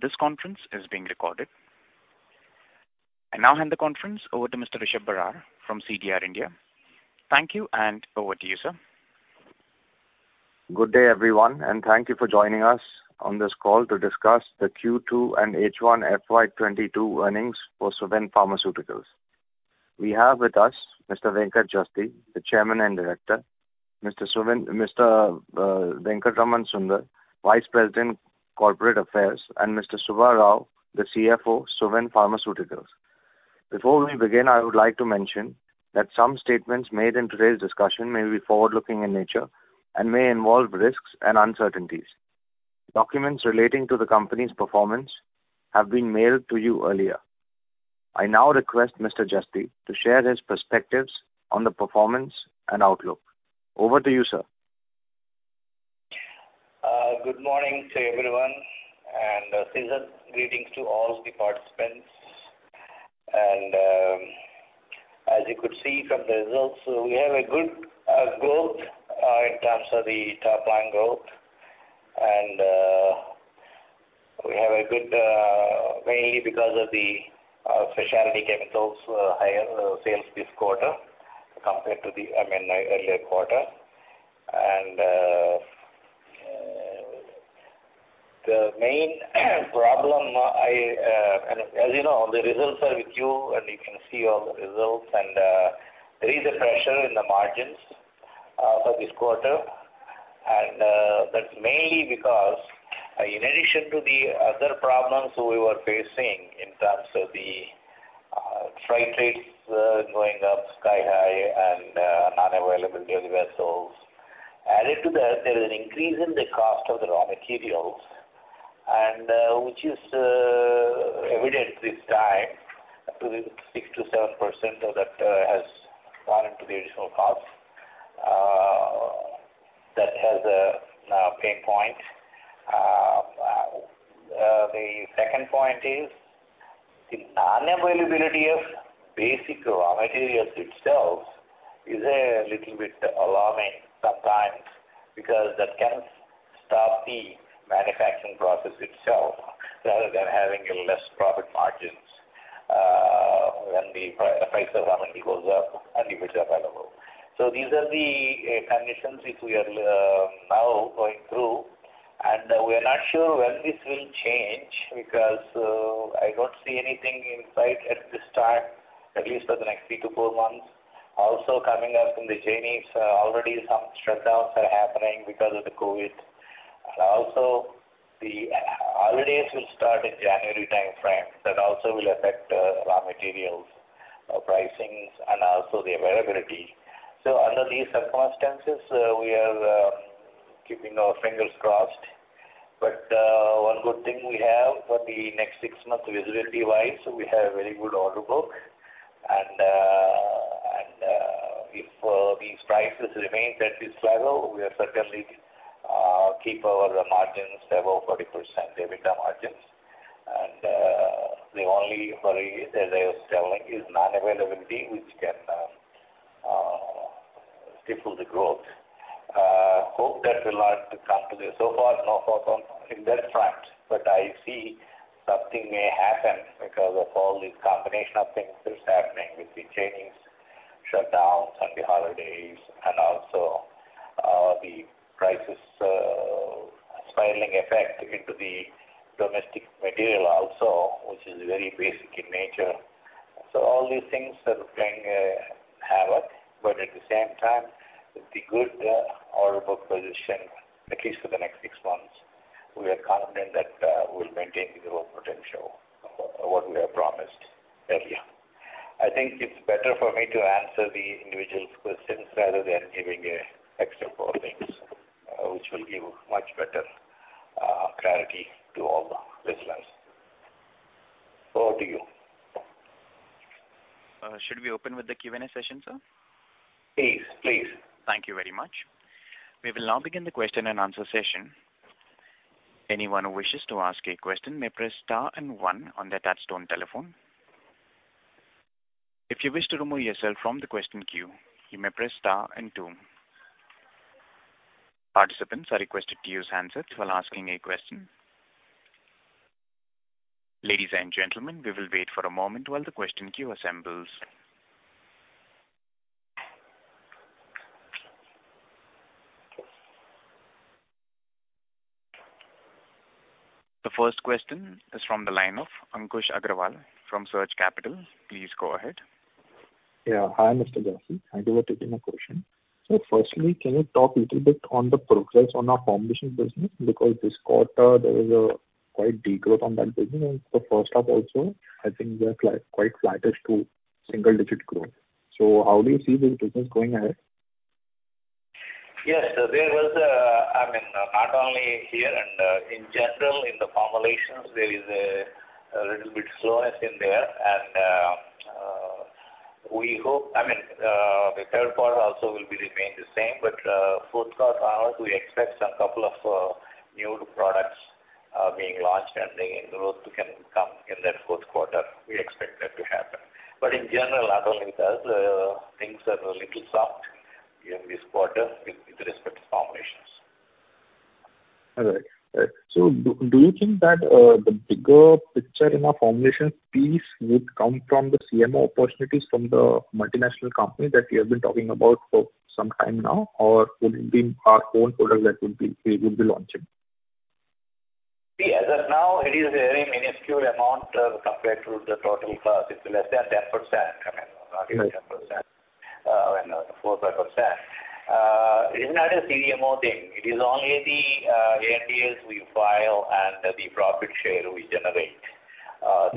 Please note that this conference is being recorded. I now hand the conference over to Mr. Rishab Barar from CDR India. Thank you, and over to you, sir. Good day, everyone, and thank you for joining us on this call to discuss the Q2 and H1 FY 2022 earnings for Suven Pharmaceuticals. We have with us Mr. Venkat Jasti, the Chairman and Director, Mr. Venkatraman Sunder, Vice President, Corporate Affairs, and Mr. Subba Rao, the CFO, Suven Pharmaceuticals. Before we begin, I would like to mention that some statements made in today's discussion may be forward-looking in nature and may involve risks and uncertainties. Documents relating to the company's performance have been mailed to you earlier. I now request Mr. Jasti to share his perspectives on the performance and outlook. Over to you, sir. Good morning to everyone and seasonal greetings to all the participants. As you could see from the results, we have a good growth in terms of the top line growth. We have a good mainly because of the specialty chemicals higher sales this quarter compared to the, I mean, earlier quarter. As you know, the results are with you, and you can see all the results. There is a pressure in the margins for this quarter. That's mainly because in addition to the other problems we were facing in terms of the freight rates going up sky-high and non-availability of vessels, added to that there is an increase in the cost of the raw materials and which is evident this time to the 6%-7% of that has gone into the additional cost that has a pain point. The second point is the non-availability of basic raw materials itself is a little bit alarming sometimes because that can stop the manufacturing process itself rather than having a less profit margins when the price of raw material goes up and if it's available. These are the conditions which we are now going through, and we're not sure when this will change because I don't see anything in sight at this time, at least for the next 3-4 months. Also coming up in the Chinese, already some shutdowns are happening because of the COVID. The holidays will start in January timeframe. That also will affect raw materials pricing and also the availability. Under these circumstances, we are keeping our fingers crossed. One good thing we have for the next 6 months visibility-wise, we have very good order book. If these prices remain at this level, we are certainly keep our margins above 40%, EBITDA margins. The only worry as I was telling is non-availability, which can stifle the growth. Hope that will not come to this. Far, knock on wood on in that front. I see something may happen because of all these combination of things that is happening with the Chinese shutdowns and the holidays and also the prices spiraling effect into the domestic material also, which is very basic in nature. All these things are playing havoc. At the same time, with the good order book position, at least for the next six months, we are confident that we'll maintain the growth potential of what we have promised earlier. I think it's better for me to answer the individual questions rather than giving a excerpt of things which will give much better clarity to all the listeners. Over to you. Should we open with the Q&A session, sir? Please. Thank you very much. We will now begin the question and answer session. Anyone who wishes to ask a question may press star and one on their touchtone telephone. If you wish to remove yourself from the question queue, you may press star and two. Participants are requested to use handsets while asking a question. Ladies and gentlemen, we will wait for a moment while the question queue assembles. The first question is from the line of Ankush Agrawal from Surge Capital. Please go ahead. Yeah. Hi, Mr. Venkat Jasti. Thank you for taking the question. First, can you talk little bit on the progress on our formulation business? Because this quarter there is quite a degrowth on that business. For first half also, I think we are quite flattish to single digit growth. How do you see this business going ahead? Yes. There was. I mean, not only here and in general in the formulations there is a little bit slowness in there. I mean, the third quarter also will remain the same. Fourth quarter onwards, we expect some couple of new products being launched and the growth can come in that fourth quarter. We expect that to happen. In general, not only that, things are a little soft in this quarter with respect to formulations. All right. Right. Do you think that the bigger picture in our formulation piece would come from the CMO opportunities from the multinational company that you have been talking about for some time now? Or would it be our own product that we would be launching? See, as of now, it is a very minuscule amount, compared to the total cost. It's less than 10%, I mean, not even 10%. When 4%-5%. It is not a CMO thing. It is only the ANDAs we file and the profit share we generate.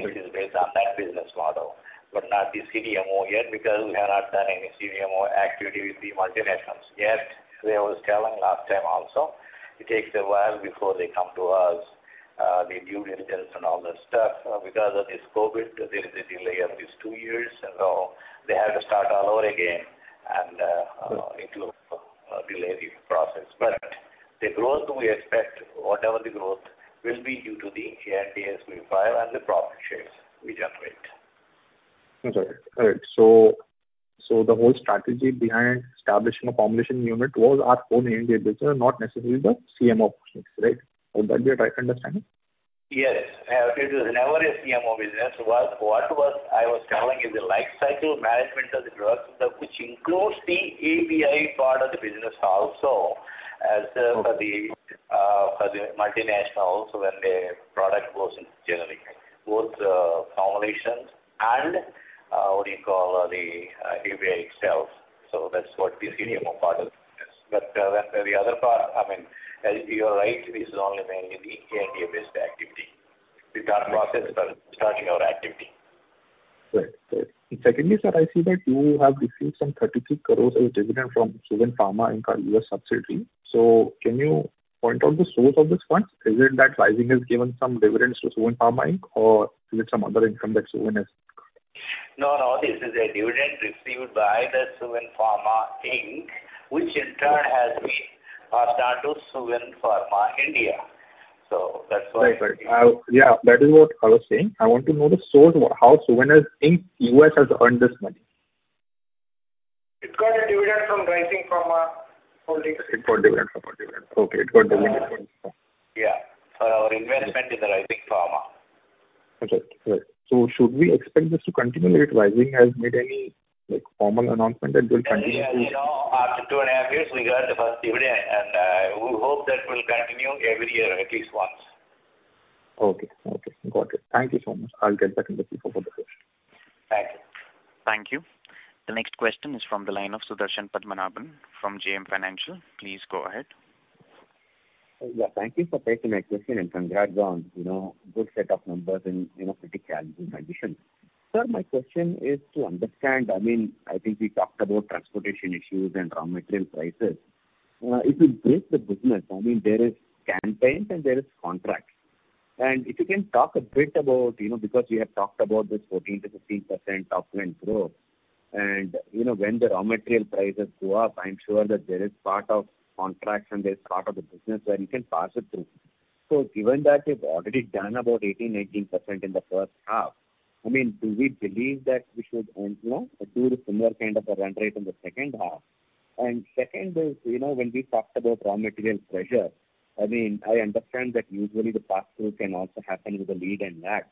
It is based on that business model, but not the CMO yet because we have not done any CMO activity with the multinationals yet. As I was telling last time also, it takes a while before they come to us, the due diligence and all that stuff. Because of this COVID, there is a delay of these two years. They had to start all over again and It will delay the process. The growth we expect, whatever the growth, will be due to the ANDAs we file and the profit shares we generate. Okay. All right. The whole strategy behind establishing a formulation unit was our own ANDA business and not necessarily the CMO business, right? Is that the right understanding? Yes. It was never a CMO business. What I was telling is the lifecycle management of the drugs that which includes the API part of the business also. As For the multinationals when their product goes in generic, both formulations and what do you call the API itself. That's what the CMO part is. The other part, I mean, you are right, this is only mainly the ANDA-based activity. We are in process for starting our activity. Right. Secondly, sir, I see that you have received some 33 crore as a dividend from Suven Pharma Inc., U.S. subsidiary. Can you point out the source of these funds? Is it that Rising has given some dividends to Suven Pharma Inc., or is it some other income that Suven has got? No, no. This is a dividend received by the Suven Pharma Inc., which in turn has been passed on to Suven Pharma India. That's why. Right. Yeah, that is what I was saying. I want to know the source. How Suven Pharma Inc., U.S. has earned this money? It got a dividend from Rising Pharma Holdings. Okay. It got dividend from Rising Pharma. Yeah. For our investment in the Rising Pharma. Okay. Right. Should we expect this to continue? Like, has Rising made any, like, formal announcement that they'll continue to- You know, after two and a half years, we got the first dividend, and we hope that will continue every year at least once. Okay. Got it. Thank you so much. I'll get back in the queue for further questions. Thank you. Thank you. The next question is from the line of Sudarshan Padmanabhan from JM Financial. Please go ahead. Yeah. Thank you for taking my question, and congrats on, you know, good set of numbers and, you know, pretty challenging conditions. Sir, my question is to understand, I mean, I think we talked about transportation issues and raw material prices. If you break the business, I mean, there is campaigns and there is contracts. If you can talk a bit about, you know, because you have talked about this 14%-15% top line growth. You know, when the raw material prices go up, I'm sure that there is part of contracts and there's part of the business where you can pass it through. Given that you've already done about 18% in the first half, I mean, do we believe that we should earn, you know, do the similar kind of a run rate in the second half? Second is, you know, when we talked about raw material pressure, I mean, I understand that usually the pass-through can also happen with a lead and lag.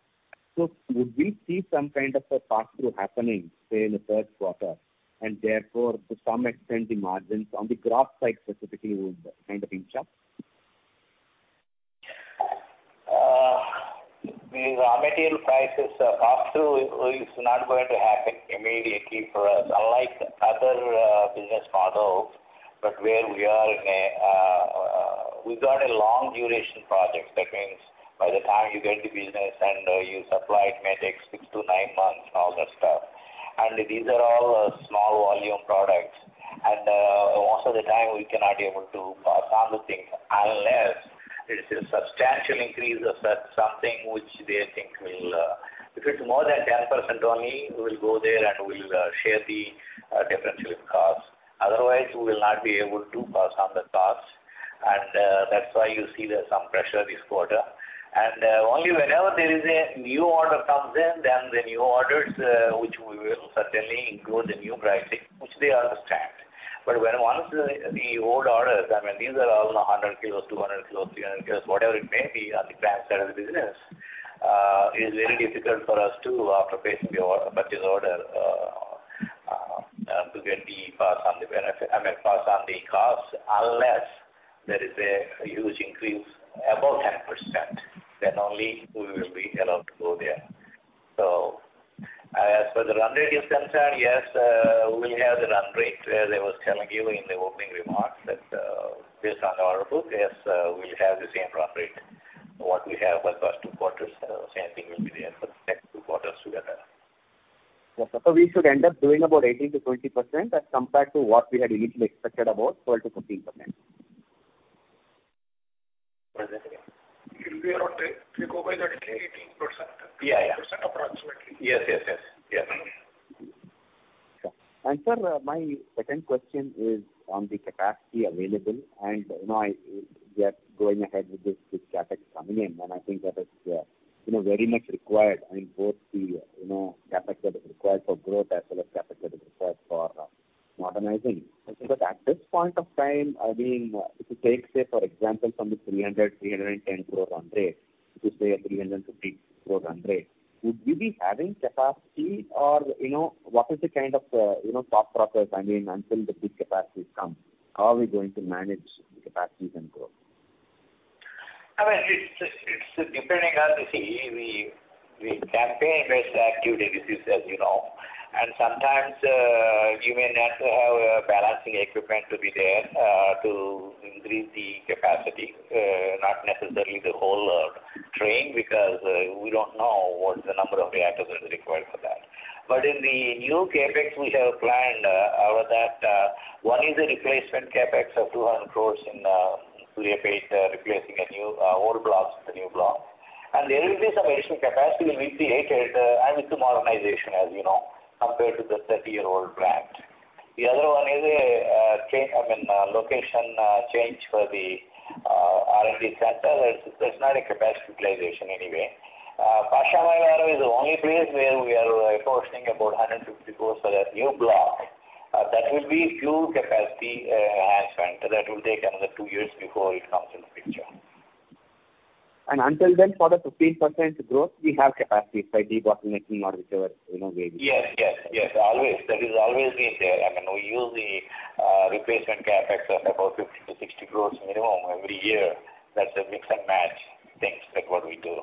Would we see some kind of a pass-through happening, say, in the third quarter, and therefore, to some extent, the margins on the gross side specifically would kind of inch up? The raw material prices pass-through is not going to happen immediately for us, unlike other business models, but we have long duration projects. That means by the time you get the business and you supply, it may take 6-9 months and all that stuff. These are all small volume products. Most of the time we cannot be able to pass on the things unless it is a substantial increase. If it's more than 10% only, we will go there and we'll share the differential in cost. Otherwise, we will not be able to pass on the costs. That's why you see there's some pressure this quarter. Only whenever there is a new order comes in, then the new orders, which we will certainly include the new pricing, which they understand. When once the old orders, I mean, these are all 100 kilos, 200 kilos, 300 kilos, whatever it may be, on the plant side of the business, is very difficult for us to, after placing the order, purchase order, to get the pass on the costs unless there is a huge increase above 10%, then only we will be allowed to go there. As for the run rate is concerned, yes, we'll have the run rate. As I was telling you in the opening remarks that, based on the order book, yes, we'll have the same run rate. What we have for first two quarters, same thing will be there for the next two quarters together. Yes, sir. We should end up doing about 18%-20% as compared to what we had initially expected about 12%-15%. What is that again? It will be around, if we go by the guide, 18%. Yeah, yeah. 18% approximately. Yes. Sure. Sir, my second question is on the capacity available, and you know, we are going ahead with this, with CapEx coming in, and I think that is, you know, very much required. I mean, both the, you know, CapEx that is required for growth as well as CapEx that is required for modernizing. At this point of time, I mean, if you take, say, for example, from the 310 crore run rate to say an 350 crore run rate, would we be having capacity? Or, you know, what is the kind of, you know, thought process? I mean, until the big capacity comes, how are we going to manage capacities and growth? I mean, it's depending on. See, we campaign with active devices, you know. Sometimes, you may not have a balancing equipment to be there, to increase the capacity, not necessarily the whole train, because we don't know what the number of reactors will be required for that. In the new CapEx we have planned, over that, one is a replacement CapEx of 200 crore in 2028, replacing old blocks with the new block. There will be some additional capacity will be created, and with the modernization, as you know, compared to the 30-year-old plant. The other one is a change, I mean, location change for the R&D center. That's not a capacity utilization anyway. Pashamylaram is the only place where we are investing about 150 crore for a new block. That will be for capacity enhancement. That will take another 2 years before it comes into the picture. Until then, for the 15% growth, we have capacity by debottlenecking or whichever, you know, way we go. Yes, yes. Always. That is always been there. I mean, we use the replacement CapEx of about 50-60 crores minimum every year. That's a mix and match things like what we do.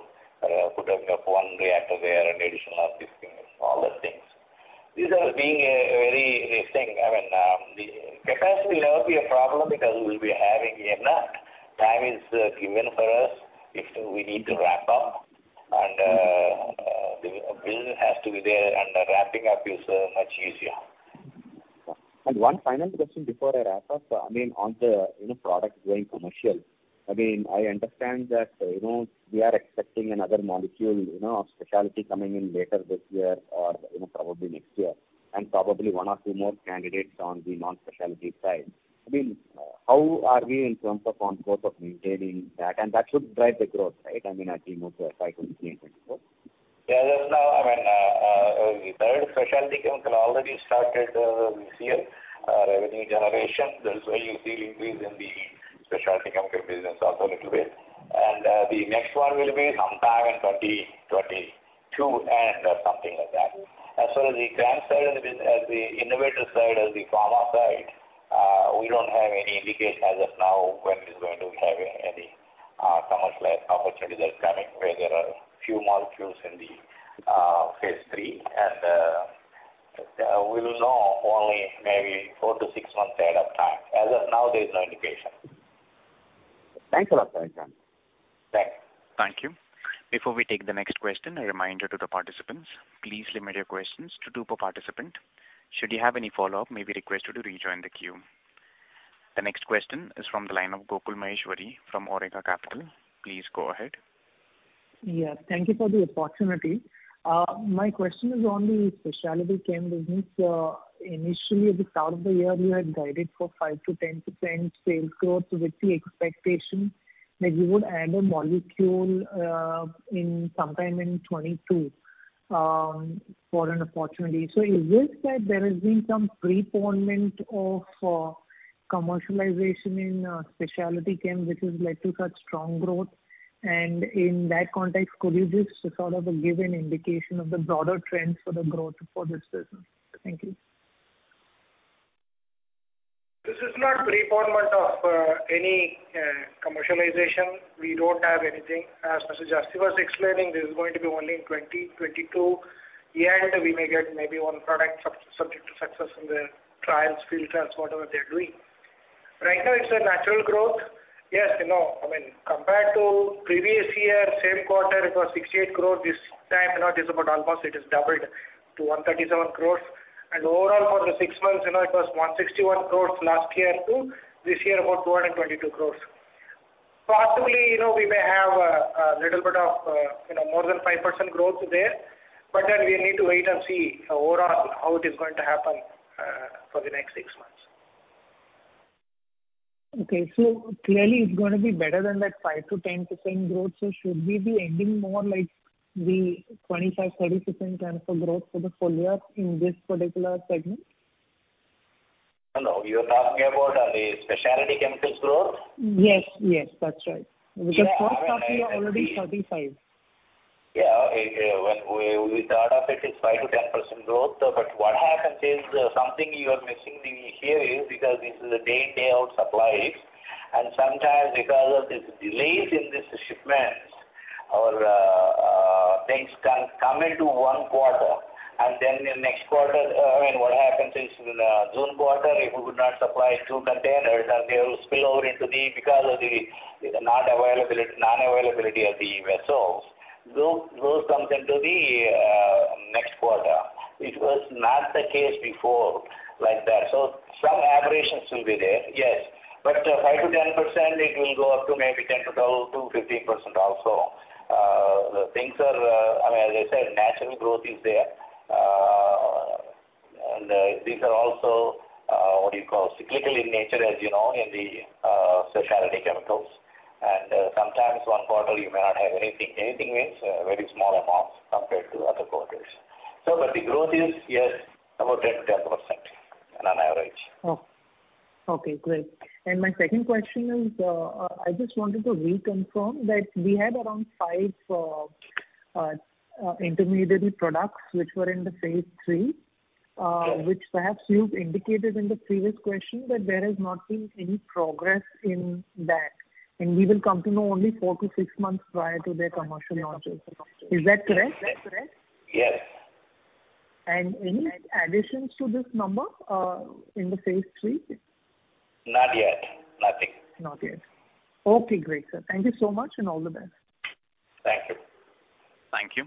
Put up one reactor there and additional of this thing, all those things. These are being a very interesting. I mean, the capacity will never be a problem because we'll be having enough. Time is given for us if we need to wrap up. The business has to be there, and the wrapping up is much easier. One final question before I wrap up. I mean, on the, you know, product going commercial, I mean, I understand that, you know, we are expecting another molecule, you know, of specialty coming in later this year or, you know, probably next year, and probably one or two more candidates on the non-specialty side. I mean, how are we in terms of on course of maintaining that? That should drive the growth, right? I mean, I think of 5%-20%-24%. Yeah, as of now, I mean, the third specialty chemical already started this year, our revenue generation. That is why you see increase in the specialty chemical business also a little bit. The next one will be sometime in 2022 end or something like that. As far as the chem side of the business, the innovator side or the pharma side, we don't have any indication as of now when it's going to be having any commercialized opportunities that's coming, where there are few molecules in the phase III. We will know only maybe 4-6 months ahead of time. As of now, there is no indication. Thanks a lot for answering. Thanks. Thank you. Before we take the next question, a reminder to the participants, please limit your questions to two per participant. Should you have any follow-up, may we request you to rejoin the queue. The next question is from the line of Gokul Maheshwari from Awriga Capital. Please go ahead. Yeah, thank you for the opportunity. My question is on the specialty chem business. Initially at the start of the year, you had guided for 5%-10% sales growth with the expectation that you would add a molecule in sometime in 2022 for an opportunity. Is this that there has been some preponement of commercialization in specialty chem, which has led to such strong growth? In that context, could you just sort of give an indication of the broader trends for the growth for this business? Thank you. This is not preponement of any commercialization. We don't have anything. As Mr. Jasti was explaining, this is going to be only in 2022, and we may get maybe one product subject to success in the trials, field trials, whatever they're doing. Right now, it's a natural growth. Yes, you know, I mean, compared to previous year, same quarter, it was 68 crores. This time, you know, it is about almost doubled to 137 crores. Overall, for the six months, you know, it was 161 crores last year too. This year, about 222 crores. Possibly, you know, we may have a little bit of more than 5% growth there, but then we need to wait and see overall how it is going to happen for the next six months. Okay. Clearly it's gonna be better than that 5%-10% growth. Should we be ending more like the 25%-30% kind of a growth for the full year in this particular segment? Hello. You're talking about, the specialty chemicals growth? Yes. Yes, that's right. Yeah. I mean, Because first half year already 35. Yeah. When we thought of it's 5%-10% growth. What happens is something you are missing here is because this is day in, day out supplies. Sometimes because of these delays in the shipments or things can come into one quarter, and then the next quarter. I mean, what happens is in June quarter, if we would not supply two containers and they will spill over into the next quarter because of the non-availability of the vessels, those come into the next quarter. It was not the case before like that. Some aberrations will be there. Yes. 5%-10%, it will go up to maybe 10%-12% to 15% also. The things are, I mean, as I said, natural growth is there. These are also what do you call, cyclical in nature, as you know, in the specialty chemicals. Sometimes one quarter you may not have anything. Anything means very small amounts compared to other quarters. The growth is, yes, about 10% on average. Oh, okay, great. My second question is, I just wanted to reconfirm that we had around five intermediary products which were in the phase III, Yes. which perhaps you've indicated in the previous question that there has not been any progress in that, and we will come to know only 4-6 months prior to their commercial launches. Is that correct? Yes. Any additions to this number in phase III? Not yet. Nothing. Not yet. Okay, great, sir. Thank you so much, and all the best. Thank you. Thank you.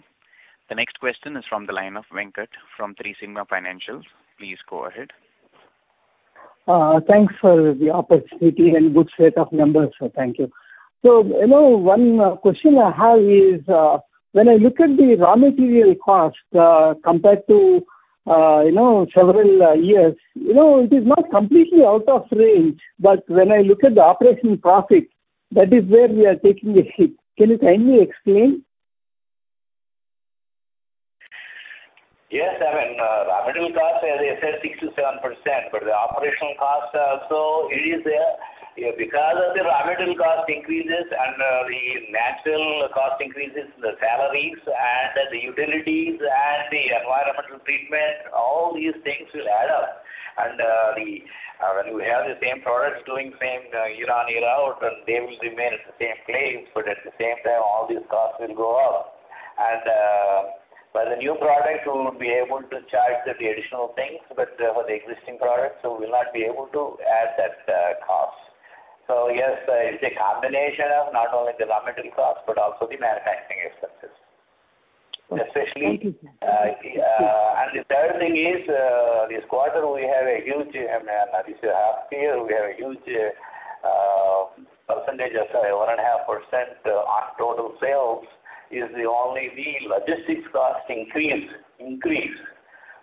The next question is from the line of Venkat from Three Sigma Financials. Please go ahead. Thanks for the opportunity and good set of numbers. Thank you. You know, one question I have is, when I look at the raw material cost, compared to, you know, several years, you know, it is not completely out of range. When I look at the operational profit, that is where we are taking a hit. Can you kindly explain? Yes. I mean, raw material cost, as I said, 6%-7%, but the operational cost also it is there because of the raw material cost increases and the natural cost increases, the salaries and the utilities and the environmental treatment, all these things will add up. When you have the same products doing same year-on-year out, and they will remain at the same pace, but at the same time, all these costs will go up. But the new product will be able to charge the additional things, but for the existing products, we will not be able to add that cost. Yes, it's a combination of not only the raw material cost but also the manufacturing expenses, especially. Thank you. The third thing is, this half year, we have a huge percentage of, sorry, 1.5% on total sales is the only logistics cost increase. These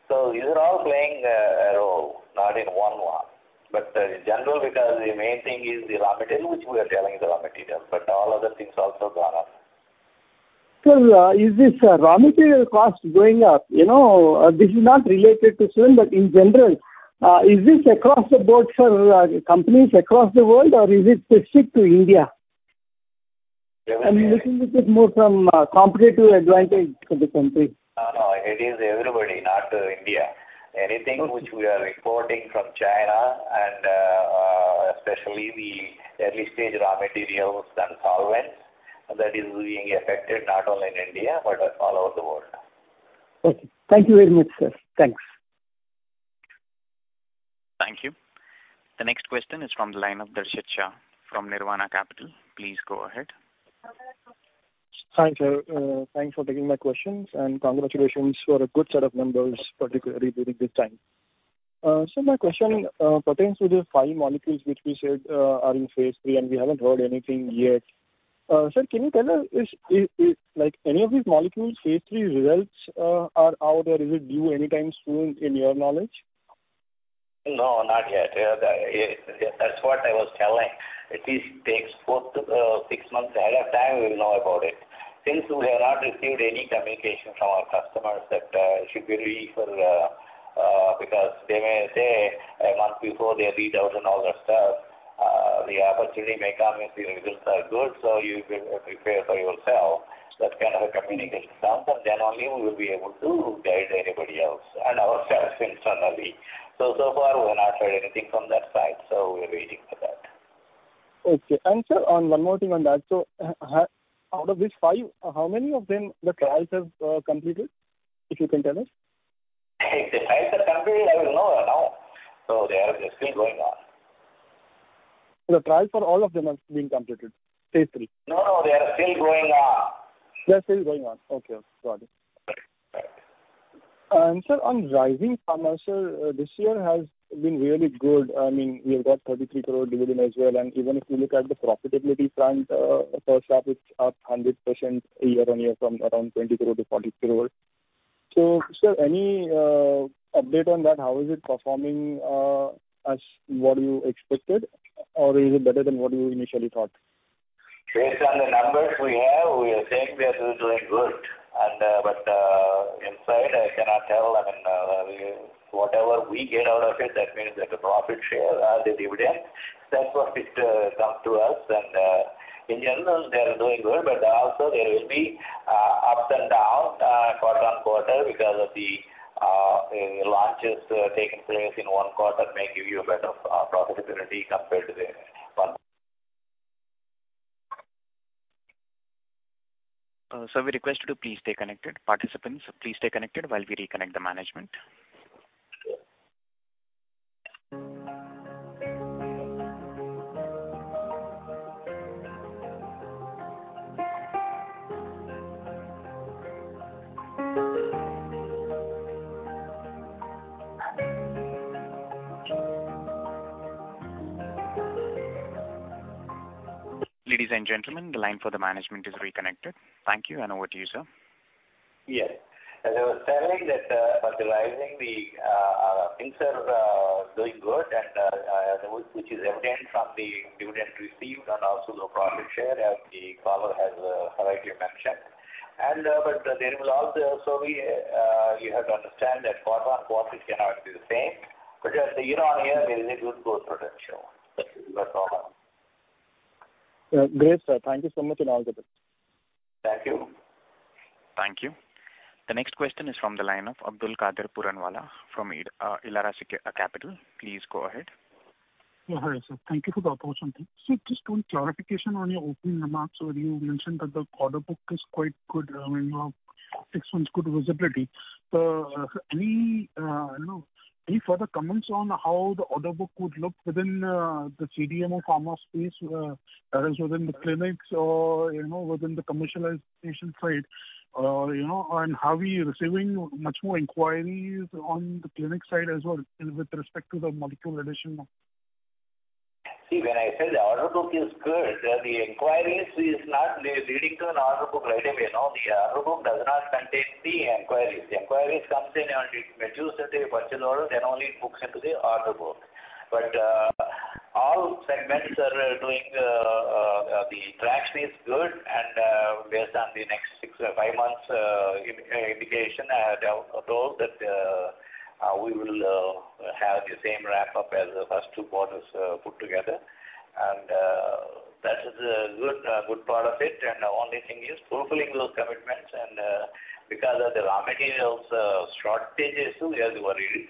are all playing a role, not in one lot, but in general, because the main thing is the raw material, but all other things also gone up. Is this raw material cost going up? You know, this is not related to Suven, but in general, is this across the board for companies across the world, or is it specific to India? I mean, looking at it more from a competitive advantage to the country. No, no. It is everybody, not India. Anything which we are importing from China and, especially the early stage raw materials and solvents, that is being affected not only in India but all over the world. Okay. Thank you very much, sir. Thanks. Thank you. The next question is from the line of Darshit Shah from Nirvana Capital. Please go ahead. Hi, sir. Thanks for taking my questions, and congratulations for a good set of numbers, particularly during this time. So my question pertains to the five molecules which we said are in phase III, and we haven't heard anything yet. Sir, can you tell us is like any of these molecules phase III results are out or is it due anytime soon, in your knowledge? No, not yet. That's what I was telling. It takes 4-6 months ahead of time, we'll know about it. Since we have not received any communication from our customers that should we ready for, because they may say a month before they read out and all that stuff, the opportunity may come if the results are good, so you prepare for yourself. That kind of a communication comes, and then only we will be able to guide anybody else and ourselves internally. So far we've not heard anything from that side, so we're waiting for that. Okay. Sir, on one more thing on that. Out of these five, how many of them the trials have completed, if you can tell us? If the trials are completed, I will know by now. They are still going on. The trials for all of them are being completed, phase III? No, no. They are still going on. They're still going on. Okay. Got it. Sir, on Rising Pharma, sir, this year has been really good. I mean, we have got 33 crore dividend as well. Even if you look at the profitability front, first half, it's up 100% year-on-year from around 20 crore to 40 crore. Sir, any update on that? How is it performing as what you expected, or is it better than what you initially thought? Based on the numbers we have, we are saying we are doing good. Inside I cannot tell. Whatever we get out of it, that means that the profit share or the dividends, that's what it comes to us. In general, they are doing good, but also there will be ups and downs quarter on quarter because of the launches taking place in one quarter may give you a better profitability compared to the one. Uh, sir, we request you to please stay connected. Participants, please stay connected while we reconnect the management. Ladies and gentlemen, the line for the management is reconnected. Thank you, and over to you, sir. Yes. As I was telling that, for the Rising, the things are doing good and those which is obtained from the dividend received and also the profit share as the caller has rightly mentioned. There will also be, you have to understand that quarter-on-quarter it cannot be the same. As the year-on-year, there is a good growth potential. That is our promise. Great, sir. Thank you so much and all the best. Thank you. Thank you. The next question is from the line of AbdulKader Puranwala from Elara Capital. Please go ahead. Hi, sir. Thank you for the opportunity. Just one clarification on your opening remarks where you mentioned that the order book is quite good, I mean, six months good visibility. You know, any further comments on how the order book would look within the CDMO pharma space, that is within the clinics or, you know, within the commercialization side? You know, are we receiving much more inquiries on the clinic side as well with respect to the molecule addition? See, when I said the order book is good, the inquiries is not leading to an order book right away, you know. The order book does not contain the inquiries. The inquiries comes in and it matures into a purchase order, then only it books into the order book. All segments are doing. The traction is good and based on the next 6 or 5 months, indication, revenue growth that we will have the same ramp up as the first 2 quarters put together. That is a good part of it. The only thing is fulfilling those commitments and because of the raw materials shortages we are worried.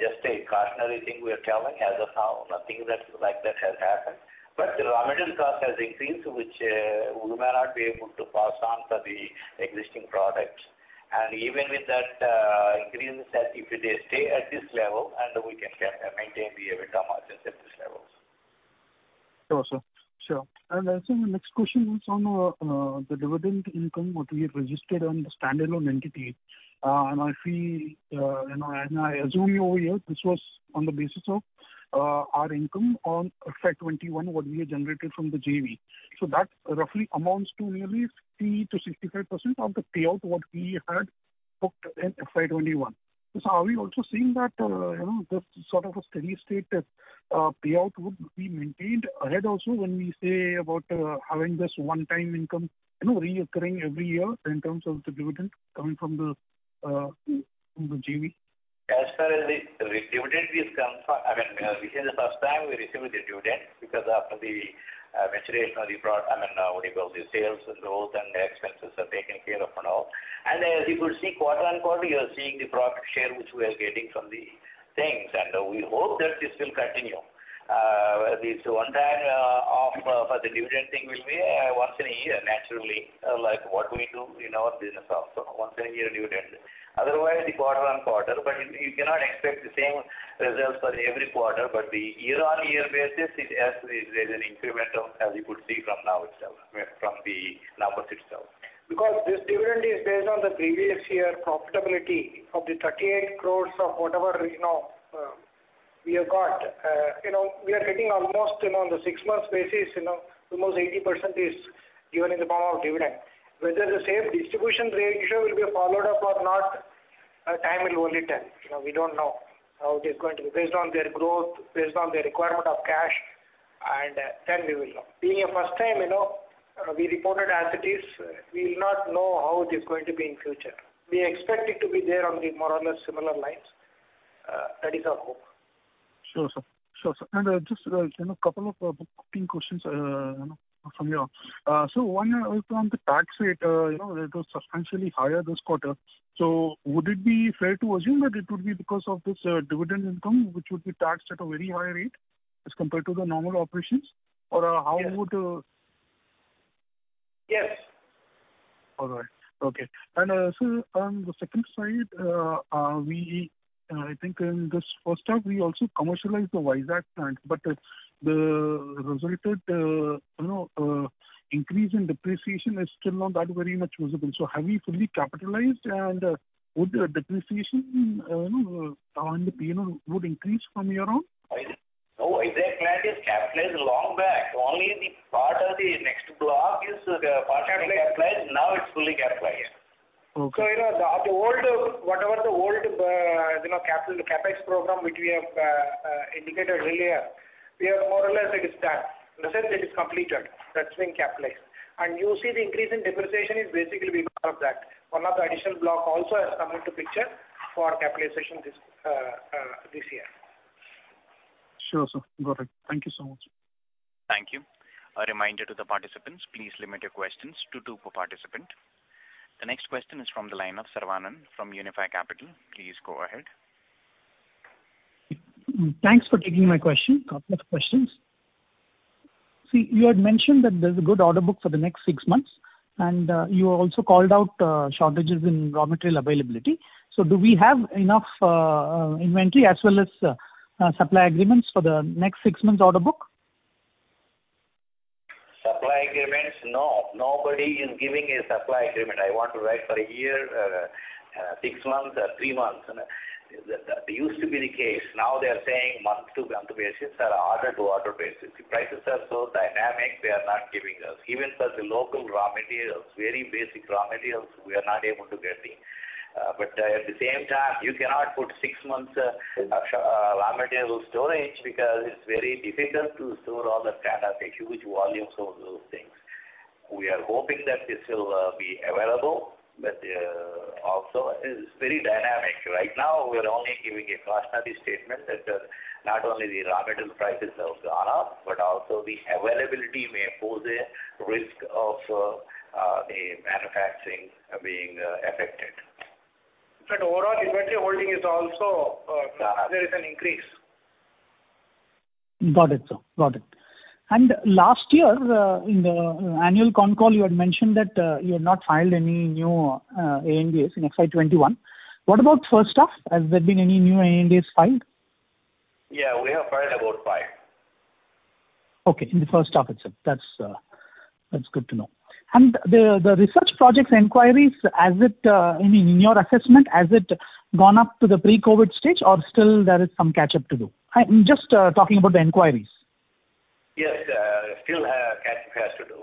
Just a cautionary thing we are telling. As of now, nothing like that has happened. The raw material cost has increased, which we may not be able to pass on to the existing products. Even with that increase, if they stay at this level, we can maintain the EBITDA margins at these levels. Sure, sir. The next question is on the dividend income what we have registered in the standalone entity. I feel I assume you over here this was on the basis of our income in FY 2021, what we have generated from the JV. That roughly amounts to nearly 50%-65% of the payout what we had booked in FY 2021. Are we also seeing that you know, this sort of a steady state that payout would be maintained ahead also when we say about having this one-time income you know, recurring every year in terms of the dividend coming from the JV? As far as the re-dividend is concerned, I mean, this is the first time we received the dividend because after the maturation, I mean, what you call, the sales growth and the expenses are taken care of and all. As you could see quarter-over-quarter, you are seeing the profit share which we are getting from the things, and we hope that this will continue. This one time for the dividend thing will be once in a year naturally, like what we do in our business also, once a year dividend. Otherwise the quarter-over-quarter, but you cannot expect the same results for every quarter, but the year-on-year basis it has to be there is an increment of as you could see from now itself, where from the numbers itself. Because this dividend is based on the previous year profitability of 38 crore of whatever, you know, we have got. You know, we are getting almost, you know, on the six months basis, you know, almost 80% is given in the form of dividend. Whether the same distribution ratio will be followed up or not, time will only tell. You know, we don't know how it is going to be. Based on their growth, based on their requirement of cash, and then we will know. Being a first time, you know, we reported as it is, we will not know how it is going to be in future. We expect it to be there on the more or less similar lines. That is our hope. Sure, sir. Just, you know, couple of booking questions, you know, from here. One is on the tax rate, you know, it was substantially higher this quarter. Would it be fair to assume that it would be because of this, dividend income which would be taxed at a very high rate as compared to the normal operations? Or, Yes. How would Yes. All right. Okay. So on the second side, I think in this first half we also commercialized the Vizag plant, but the resulting, you know, increase in depreciation is still not that very much visible. Have you fully capitalized and would the depreciation, you know, on the P&L increase from here on? No. Vizag plant is capitalized long back. Only the part of the next block is partially capitalized. Now it's fully capitalized. Okay. You know, the old capital CapEx program which we have indicated earlier, we are more or less it is that. In a sense it is completed. That's been capitalized. You see the increase in depreciation is basically because of that. One of the additional block also has come into picture for capitalization this year. Sure, sir. Got it. Thank you so much. Thank you. A reminder to the participants, please limit your questions to two per participant. The next question is from the line of Saravanan from Unifi Capital. Please go ahead. Thanks for taking my question. Couple of questions. See, you had mentioned that there's a good order book for the next six months, and, you also called out, shortages in raw material availability. Do we have enough, inventory as well as, supply agreements for the next six months order book? Supply agreements, no. Nobody is giving a supply agreement. I want to write for a year, six months or three months. That used to be the case. Now they are saying month to month basis or order to order basis. The prices are so dynamic, they are not giving us. Even for the local raw materials, very basic raw materials, we are not able to get the, but at the same time, you cannot put six months raw material storage because it's very difficult to store all that kind of huge volumes of those things. We are hoping that this will be available, but also it is very dynamic. Right now, we're only giving a cautionary statement that, not only the raw material prices have gone up, but also the availability may pose a risk of, the manufacturing being, affected. Overall, inventory holding is also, there is an increase. Got it, sir. Got it. Last year, in the annual conference call, you had mentioned that you had not filed any new ANDAs in FY 2021. What about first half? Has there been any new ANDAs filed? Yeah, we have filed about 5. Okay. In the first half itself. That's good to know. The research projects inquiries, in your assessment, has it gone up to the pre-COVID stage or still there is some catch-up to do? I'm just talking about the inquiries. Yes, still have CapEx, has to do.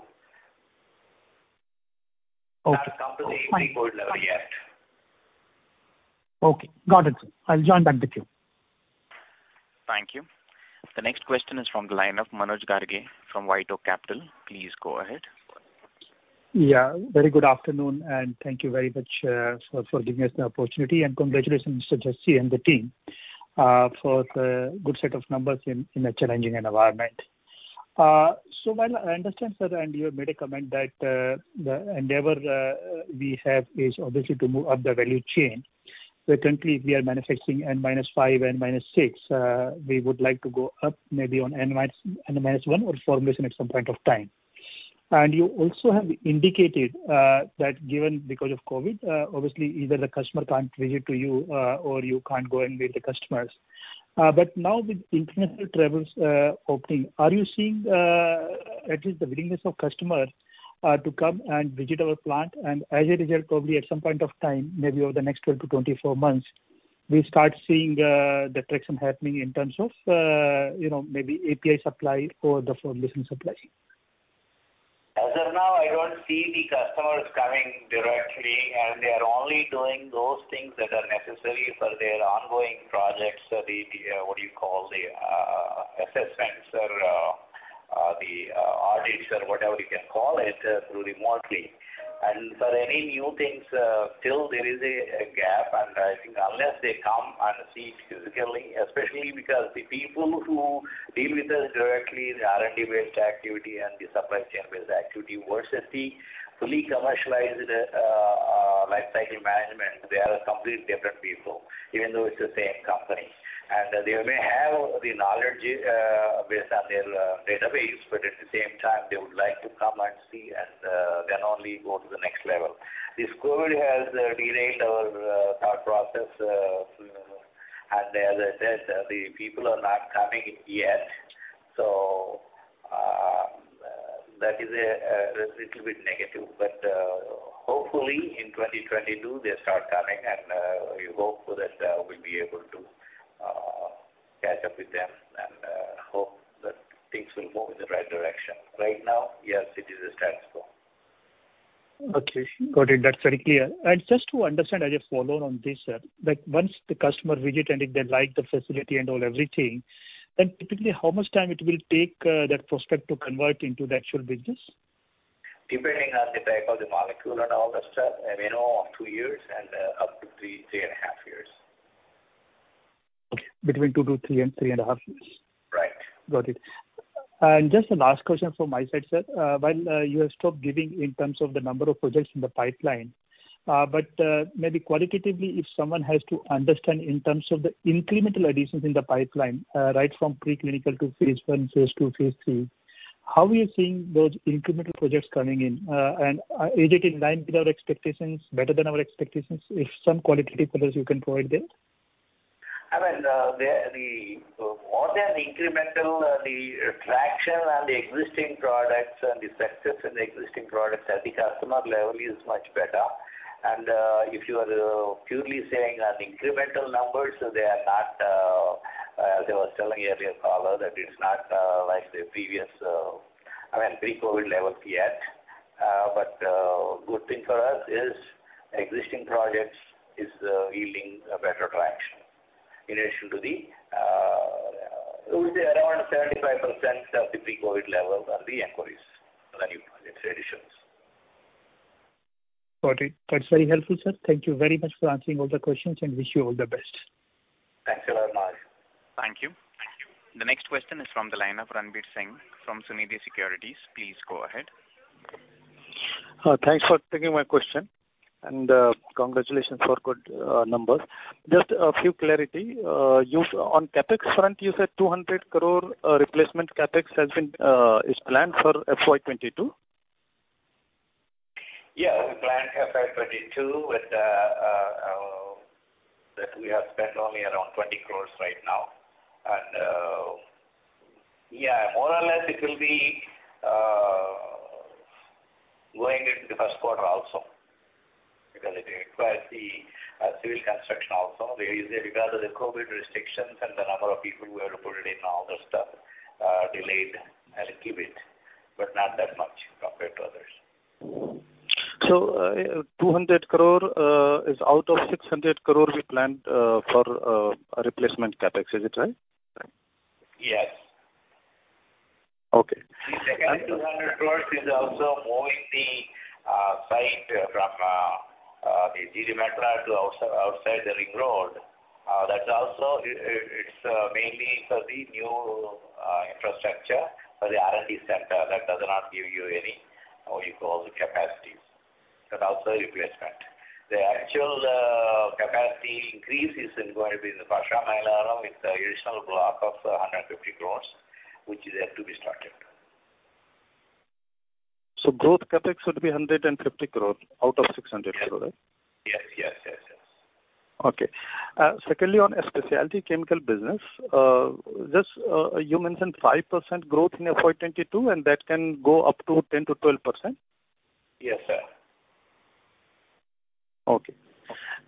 Okay. Not up to the pre-COVID level yet. Okay. Got it. I'll join back the queue. Thank you. The next question is from the line of Manoj Garg from White Oak YR Capital. Please go ahead. Yeah. Very good afternoon, and thank you very much for giving us the opportunity. Congratulations, Mr. Venkat Jasti and the team, for the good set of numbers in a challenging environment. While I understand, sir, and you have made a comment that the endeavor we have is obviously to move up the value chain. Currently we are manufacturing N minus five, N minus six. We would like to go up maybe on N minus one or formulation at some point of time. You also have indicated that given because of COVID, obviously either the customer can't visit to you or you can't go and meet the customers. Now with international travels opening, are you seeing at least the willingness of customers to come and visit our plant? As a result, probably at some point of time, maybe over the next 12-24 months, we start seeing the traction happening in terms of, you know, maybe API supply or the formulation supply. As of now, I don't see the customers coming directly, and they are only doing those things that are necessary for their ongoing projects. The what do you call, the assessments or the audits or whatever you can call it remotely. For any new things, still there is a gap. I think unless they come and see it physically, especially because the people who deal with us directly, the R&D-based activity and the supply chain-based activity versus the fully commercialized life cycle management, they are a complete different people, even though it's the same company. They may have the knowledge based on their database, but at the same time, they would like to come and see and then only go to the next level. This COVID has derailed our thought process, and as I said, the people are not coming in yet. That is a little bit negative, but hopefully in 2022 they start coming, and we hope so that we'll be able to catch up with them and hope that things will move in the right direction. Right now, yes, it is a standstill. Okay. Got it. That's very clear. Just to understand as a follow-on on this, sir. Like, once the customer visit and if they like the facility and all everything, then typically how much time it will take, that prospect to convert into the actual business? Depending on the type of the molecule and all that stuff, a minimum of 2 years and up to 3.5 years. Okay. Between 2 to 3 and 3.5 years. Right. Got it. Just the last question from my side, sir. While you have stopped giving in terms of the number of projects in the pipeline, but maybe qualitatively, if someone has to understand in terms of the incremental additions in the pipeline, right from pre-clinical to phase I, phase II, phase III, how are you seeing those incremental projects coming in? Is it in line with our expectations, better than our expectations? If some qualitative colors you can provide there. I mean, the more than incremental traction on the existing products and the success in the existing products at the customer level is much better. If you are purely saying on incremental numbers, they are not as I was telling earlier caller that it's not like the previous, I mean, pre-COVID levels yet. Good thing for us is existing projects is yielding a better traction in addition to the, I would say around 75% of the pre-COVID levels are the inquiries value additions. Got it. That's very helpful, sir. Thank you very much for answering all the questions, and I wish you all the best. Thanks a lot, Manoj. Thank you. The next question is from the line of Ranbir Singh from Sunidhi Securities. Please go ahead. Thanks for taking my question, and congratulations for good numbers. Just a few clarity. On CapEx front, you said 200 crore replacement CapEx is planned for FY 2022? We planned FY 2022 with that we have spent only around 20 crore right now. More or less it will be going into the first quarter also because it requires the civil construction also. With regard to the COVID restrictions and the number of people we have to put in, all that stuff delayed and kept it but not that much compared to others. 200 crore is out of 600 crore we planned for a replacement CapEx. Is it right? Yes. Okay. The second 200 crores is also moving the site from the Jeedimetla to outside the ring road. That's also. It's mainly for the new infrastructure for the R&D center that does not give you any, what you call, capacities. That's also replacement. The actual capacity increase is going to be in the Pashamylaram with the additional block of 150 crores which is yet to be n started. Growth CapEx would be 150 crore out of 600 crore. Yes. Okay. Secondly, on a specialty chemical business, just, you mentioned 5% growth in FY 2022, and that can go up to 10%-12%. Yes, sir. Okay.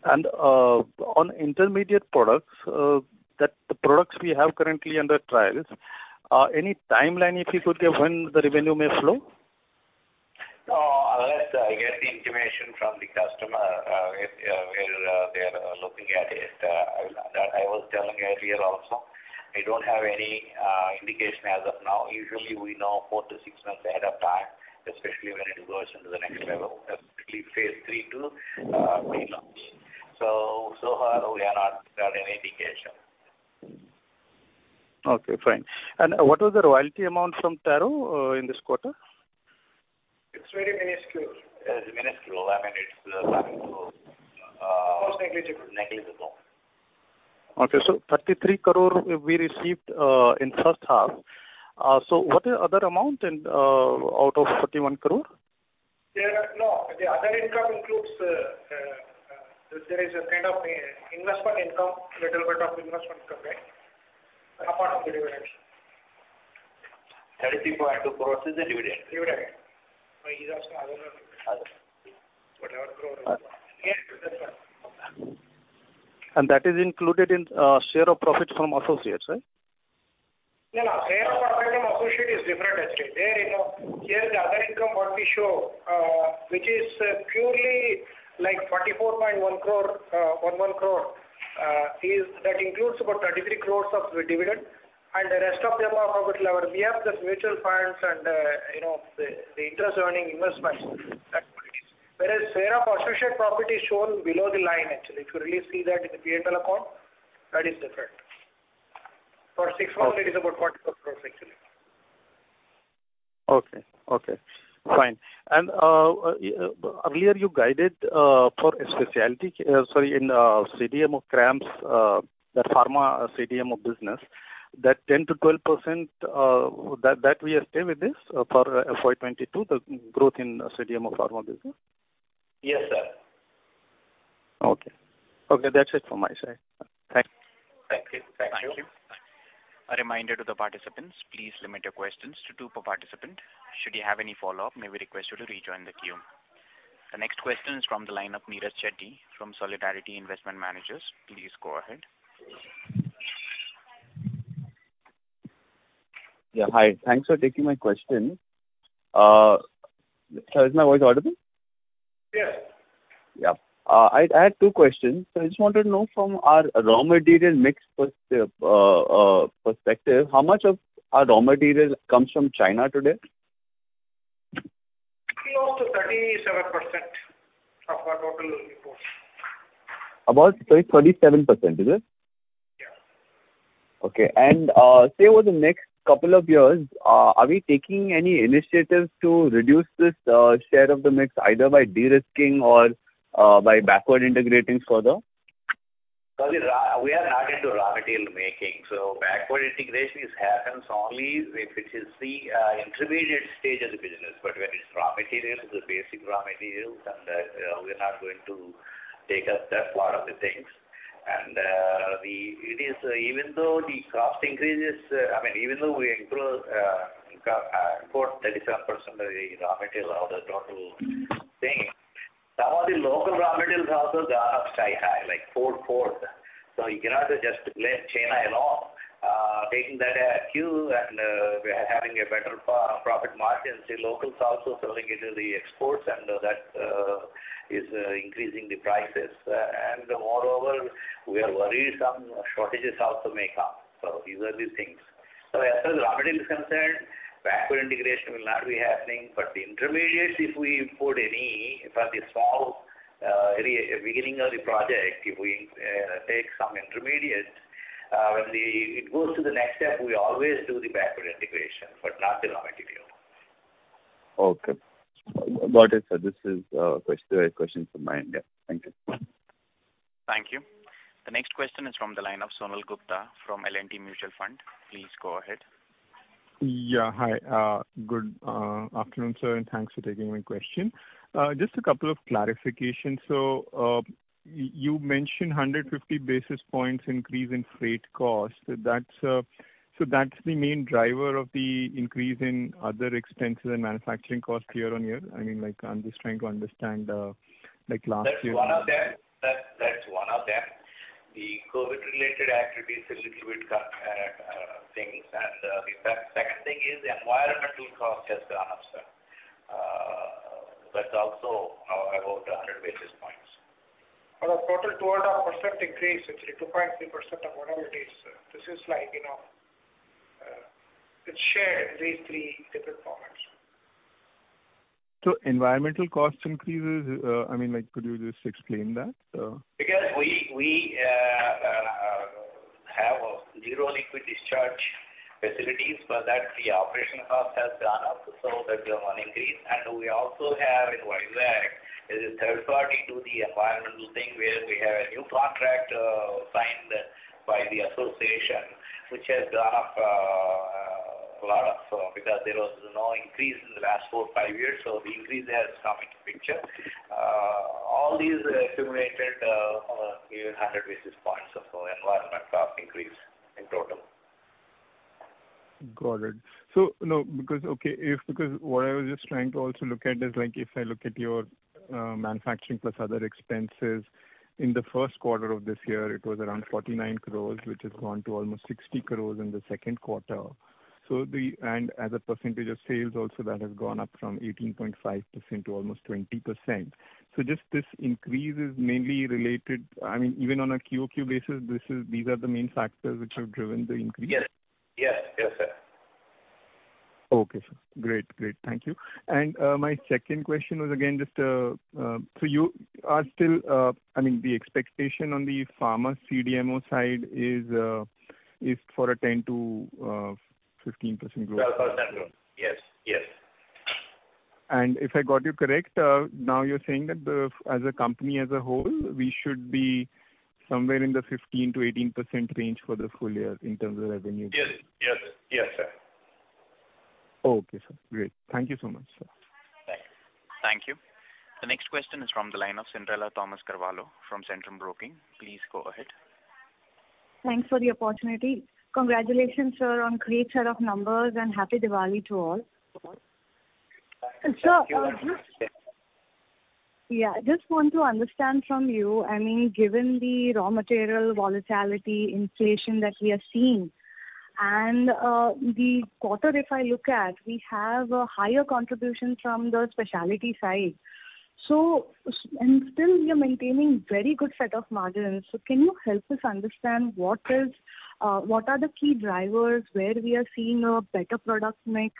On intermediate products, that the products we have currently under trials, any timeline if you could give when the revenue may flow? No. Unless I get the information from the customer where they are looking at it, that I was telling earlier also, I don't have any indication as of now. Usually, we know 4-6 months ahead of time, especially when it goes into the next level, especially phase III to pre-launch. So far we have not got any indication. Okay, fine. What was the royalty amount from Taro in this quarter? It's very minuscule. It is minuscule. I mean, it's Most negligible. Negligible. Okay. 33 crore we received in first half. What are other amount and out of 31 crore? The other income includes, there is a kind of investment income, little bit of investment income, right? Apart from the dividends. INR 33.2 crores is the dividend. Dividend. It is also other. Other. That is included in share of profits from associates, right? No, no. Share of profit from associate is different actually. There, you know, here the other income what we show, which is purely like 44.1 crore, 11 crore, is that includes about 33 crore of the dividend. The rest of the amount probably our FDs, just mutual funds and, you know, the interest earning investments. That's what it is. Whereas share of associate profit is shown below the line actually. If you really see that in the P&L account, that is different. For six months. Okay. It is about INR 44 crore actually. Earlier you guided for a specialty in CDMO of CRAMS, the pharma CDMO business, that 10%-12% that we'll stay with this for FY 2022, the growth in CDMO of pharma business? Yes, sir. Okay, that's it from my side. Thank you. Thank you. Thank you. Thank you. A reminder to the participants, please limit your questions to two per participant. Should you have any follow-up, may we request you to rejoin the queue. The next question is from the line of Anirudh Shetty from Solidarity Investment Managers. Please go ahead. Yeah, hi. Thanks for taking my question. Sir, is my voice audible? Yes. I had two questions. I just wanted to know from our raw material mix perspective, how much of our raw material comes from China today? Close to 37% of our total imports. About, sorry, 37 percent, is it? Yeah. Okay. Say over the next couple of years, are we taking any initiatives to reduce this share of the mix, either by de-risking or by backward integrating further? We are not into raw material making. Backward integration happens only if it is the intermediate stage of the business. But when it's raw materials, the basic raw materials, we're not going to take up that part of the things. It is even though the cost increases. I mean, even though we import 37% of the raw material out of total thing, some of the local raw materials also they are sky high, like fourfold. You cannot just blame China alone. Taking that cue, we are having a better profit margin. The locals also selling into the exports, and that is increasing the prices. Moreover, we are worried some shortages also may come. These are the things. As far as raw material is concerned, backward integration will not be happening. The intermediates, if we import any for the small area beginning of the project, if we take some intermediates, it goes to the next step, we always do the backward integration, but not the raw material. Okay. Got it, sir. This is questions from my end, yeah. Thank you. Thank you. The next question is from the line of Sonal Gupta from L&T Mutual Fund. Please go ahead. Yeah, hi. Good afternoon, sir, and thanks for taking my question. Just a couple of clarifications. You mentioned 150 basis points increase in freight cost. That's so that's the main driver of the increase in other expenses and manufacturing costs year on year? I mean, like, I'm just trying to understand, like last year- That's one of them. The COVID-related attributes a little bit. In fact, second thing is the environmental cost has gone up, sir. That's also about 100 basis points. Our total 12.5% increase, actually 2.3% of whatever it is. This is like, you know, it's shared in these three different formats. Environmental cost increases, I mean, like, could you just explain that? Because we have zero liquid discharge facilities for that, the operational cost has gone up, so that one increased. We also have in Vizag a third party to the environmental thing, where we have a new contract signed by the association, which has gone up a lot. Because there was no increase in the last four, five years, so the increase has come into picture. All these accumulated near 100 basis points of environmental cost increase in total. Got it. No, because what I was just trying to also look at is like, if I look at your manufacturing plus other expenses, in the first quarter of this year, it was around 49 crore, which has gone to almost 60 crore in the second quarter. As a percentage of sales also that has gone up from 18.5% to almost 20%. Just this increase is mainly related, I mean, even on a QOQ basis, these are the main factors which have driven the increase. Yes, sir. Okay, sir. Great. Thank you. My second question was again, just, so you are still, I mean, the expectation on the pharma CDMO side is for a 10%-15% growth. That's absolutely. Yes, yes. If I got you correct, now you're saying that as a company as a whole, we should be somewhere in the 15%-18% range for the full year in terms of revenue. Yes. Yes. Yes, sir. Okay, sir. Great. Thank you so much, sir. Thanks. Thank you. The next question is from the line of Cyndrella Thomas Carvalho from Centrum Broking. Please go ahead. Thanks for the opportunity. Congratulations, sir, on great set of numbers, and Happy Diwali to all. Thank you. Sir. Yes. Yeah, I just want to understand from you, I mean, given the raw material volatility, inflation that we are seeing, and the quarter if I look at, we have a higher contribution from the specialty side, and still we are maintaining very good set of margins. Can you help us understand what are the key drivers where we are seeing a better product mix?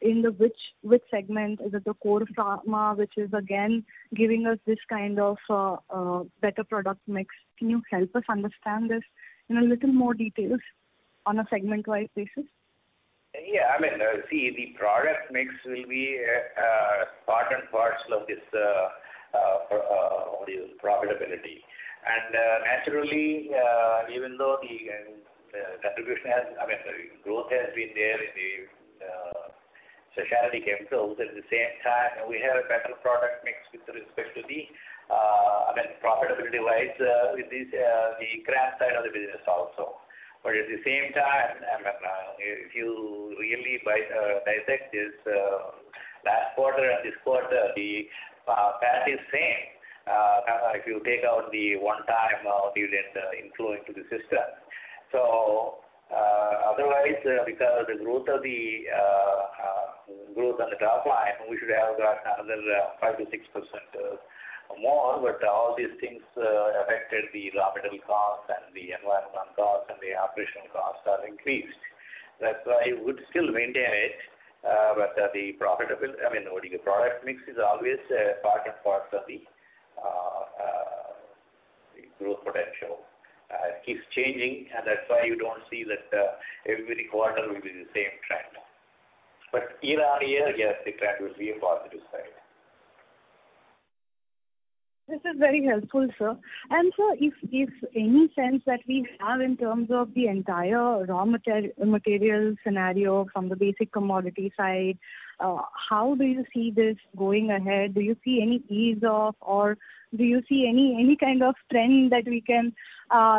In which segment? Is it the core pharma, which is again giving us this kind of better product mix? Can you help us understand this in a little more details on a segment-wide basis? Yeah. I mean, see, the product mix will be part and parcel of this profitability. Naturally, even though the growth has been there in the specialty chemicals, at the same time, we have a better product mix with respect to the, I mean, profitability-wise, with this the CRAMS side of the business also. At the same time, I mean, if you really dissect this last quarter and this quarter, the PAT is same, if you take out the one-time event inflow into the system. Otherwise, because of the growth on the top line, we should have got another 5%-6% more. All these things affected the raw material cost and the environmental cost and the operational costs are increased. That's why you would still maintain it, but the profitability, I mean, product mix is always a part and parcel of the growth potential. It keeps changing, and that's why you don't see that every quarter will be the same trend. Year on year, yes, the trend will be a positive side. This is very helpful, sir. Sir, if any sense that we have in terms of the entire raw material scenario from the basic commodity side, how do you see this going ahead? Do you see any ease off or do you see any kind of trend that we can,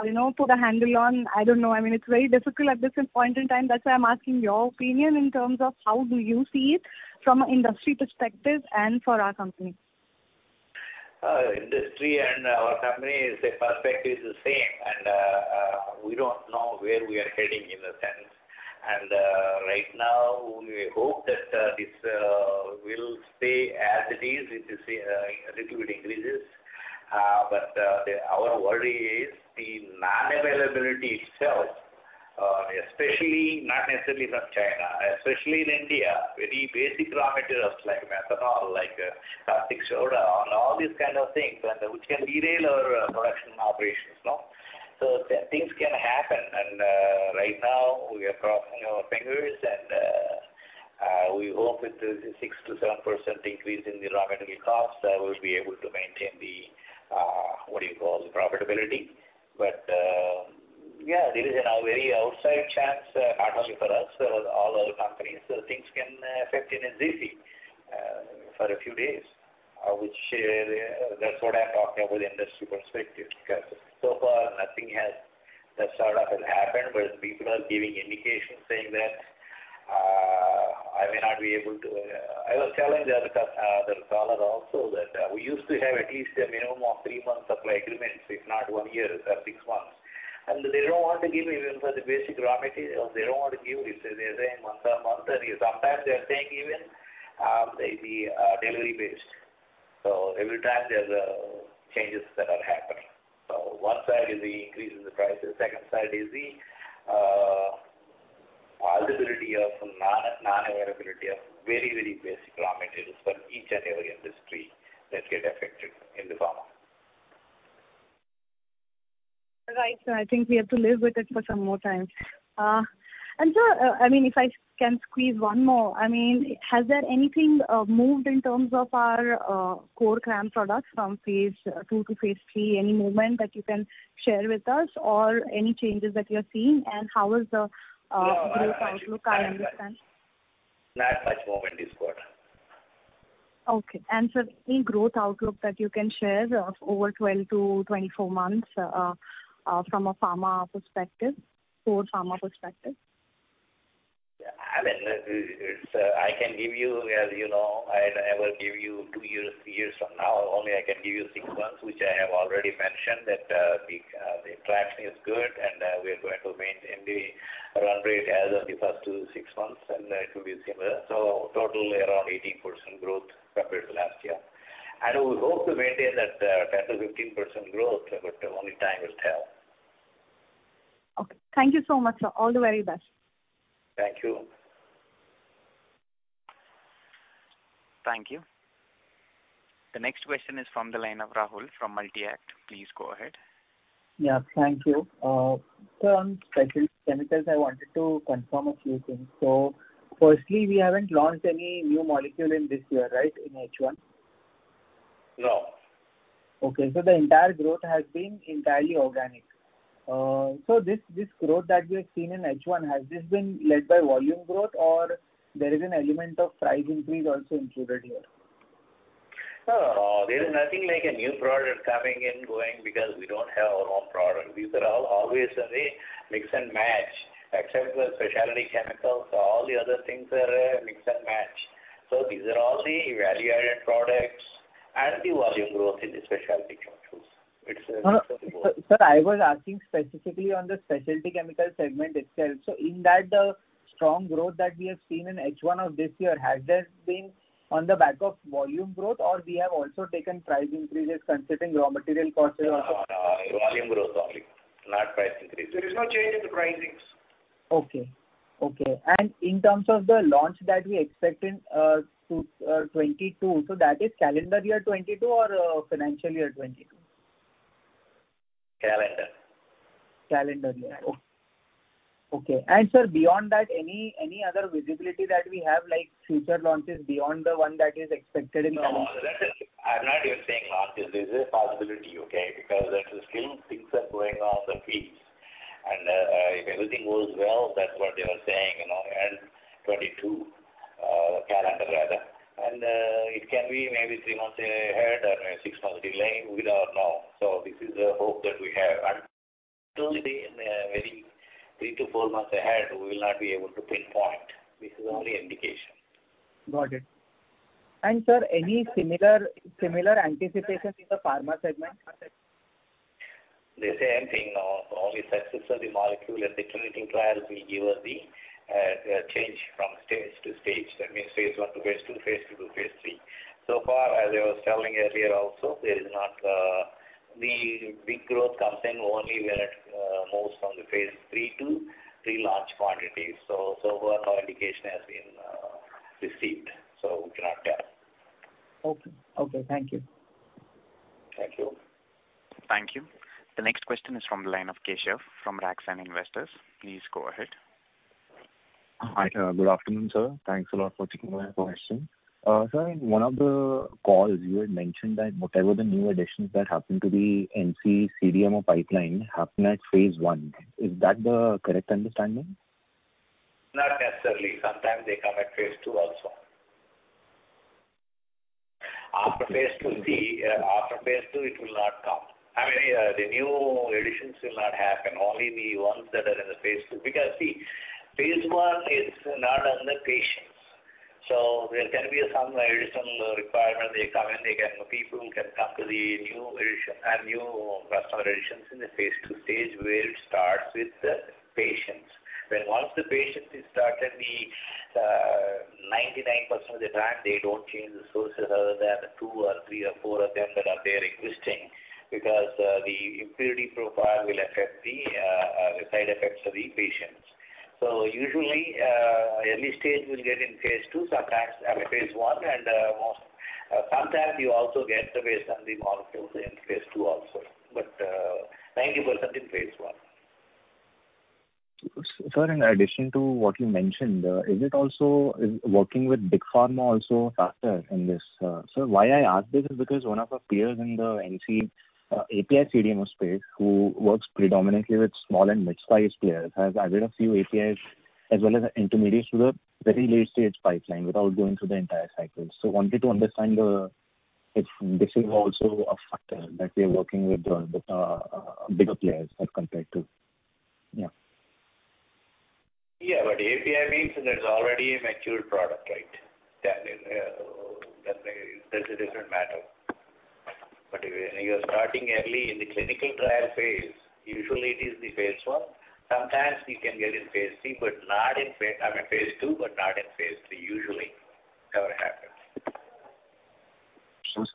you know, put a handle on? I don't know. I mean, it's very difficult at this point in time. That's why I'm asking your opinion in terms of how do you see it from a industry perspective and for our company. Industry and our company, the perspective is the same. We don't know where we are heading in a sense. Right now, we hope that this will stay as it is. It is a little bit increases. Our worry is the non-availability itself, especially not necessarily from China, especially in India, very basic raw materials like methanol, like caustic soda, and all these kind of things, and which can derail our production operations, no? Things can happen. Right now we are crossing our fingers and we hope with the 6%-7% increase in the raw material cost, we'll be able to maintain the what do you call the profitability. Yeah, there is a very outside chance, not only for us, all other companies, so things can affect adversely for a few days. Which, that's what I'm talking about the industry perspective. Because so far nothing has that sort of happened, but people are giving indications saying that I may not be able to. I was telling the other caller also that we used to have at least a minimum of three months supply agreements, if not one year or six months. They don't want to give even for the basic raw material. They don't want to give. They're saying month-on-month, and sometimes they are saying even, maybe, delivery based. Every time there's changes that are happening. One side is the increase in the prices. Second side is the non-availability of very, very basic raw materials for each and every industry that get affected in the pharma. Right. I think we have to live with it for some more time. Sir, I mean, if I can squeeze one more. I mean, has there anything moved in terms of our core CRAMS products from phase II to phase III? Any movement that you can share with us or any changes that you're seeing? How is the growth outlook, I understand. No, actually not much. Not much movement this quarter. Okay. Sir, any growth outlook that you can share of over 12-24 months, from a pharma perspective, core pharma perspective? Yeah, I mean, I can give you, as you know, I will give you two years, three years from now. I can only give you six months, which I have already mentioned, that the traction is good and we are going to maintain the run rate as of the first six months, and it will be similar. Total around 18% growth compared to last year. We hope to maintain that 15% growth, but only time will tell. Okay. Thank you so much, sir. All the very best. Thank you. Thank you. The next question is from the line of Rahul from Multi-Act. Please go ahead. Yeah, thank you. On specialty chemicals, I wanted to confirm a few things. Firstly, we haven't launched any new molecule in this year, right? In H1? No. Okay. The entire growth has been entirely organic. This growth that we have seen in H1, has this been led by volume growth or there is an element of price increase also included here? No. There is nothing like a new product coming in, going because we don't have our own product. These are all obviously mix and match. Except for specialty chemicals, all the other things are mix and match. These are all the value-added products and the volume growth in the specialty chemicals. It's a mix of both. No. Sir, I was asking specifically on the specialty chemical segment itself. In that, strong growth that we have seen in H1 of this year, has this been on the back of volume growth or we have also taken price increases considering raw material costs are also? No, volume growth only, not price increase. There is no change in the pricings. Okay. In terms of the launch that we expect in 2022, that is calendar year 2022 or financial year 2022? Calendar. Calendar year. Calendar. Okay. Sir, beyond that, any other visibility that we have, like future launches beyond the one that is expected in calendar? No. I'm not even saying launches. This is a possibility, okay? Because still things are going off the feeds. If everything goes well, that's what they were saying, you know, end 2022, calendar rather. It can be maybe 3 months ahead or maybe 6 months delay. We don't know. This is a hope that we have. Certainly in very 3-4 months ahead, we will not be able to pinpoint. This is only indication. Got it. Sir, any similar anticipation in the pharma segment? The same thing. Only successful the molecule at the clinical trials will give us the change from stage to stage. That means phase I to phase II, phase II to phase III. So far, as I was telling earlier also, there is not. The big growth comes in only when it moves from the phase III to pre-launch quantities. So far no indication has been received, so we cannot tell. Okay. Thank you. Thank you. Thank you. The next question is from the line of Keshav from RakSan Investors. Please go ahead. Hi. Good afternoon, sir. Thanks a lot for taking my question. Sir, in one of the calls, you had mentioned that whatever the new additions that happen to the NCE CDMO pipeline happen at phase I. Is that the correct understanding? Not necessarily. Sometimes they come at phase II also. After phase II it will not come. I mean, the new additions will not happen. Only the ones that are in the phase II. Because phase I is not on the patients. So there can be some additional requirement. They come in, people can come to the new addition, new customer additions in the phase II stage, where it starts with the patients. Once the patient is started, 99% of the time they don't change the sources other than the two or three or four of them that are there existing because the impurity profile will affect the side effects of the patients. So usually, early stage will get in phase II, sometimes phase I and most. Sometimes you also get them based on the molecules in phase II also. 90% in phase I. Sir, in addition to what you mentioned, is it also working with big pharma also a factor in this? Sir, why I ask this is because one of our peers in the NCE API CDMO space, who works predominantly with small and mid-sized players, has added a few APIs as well as intermediates to the very late-stage pipeline without going through the entire cycle. Wanted to understand if this is also a factor that we are working with the bigger players as compared to yeah. Yeah, API means there's already a mature product, right? That is, that's a different matter. When you're starting early in the clinical trial phase, usually it is phase I. Sometimes you can get in phase III, but not in phase II, I mean, but not in phase III usually never happens. Sure,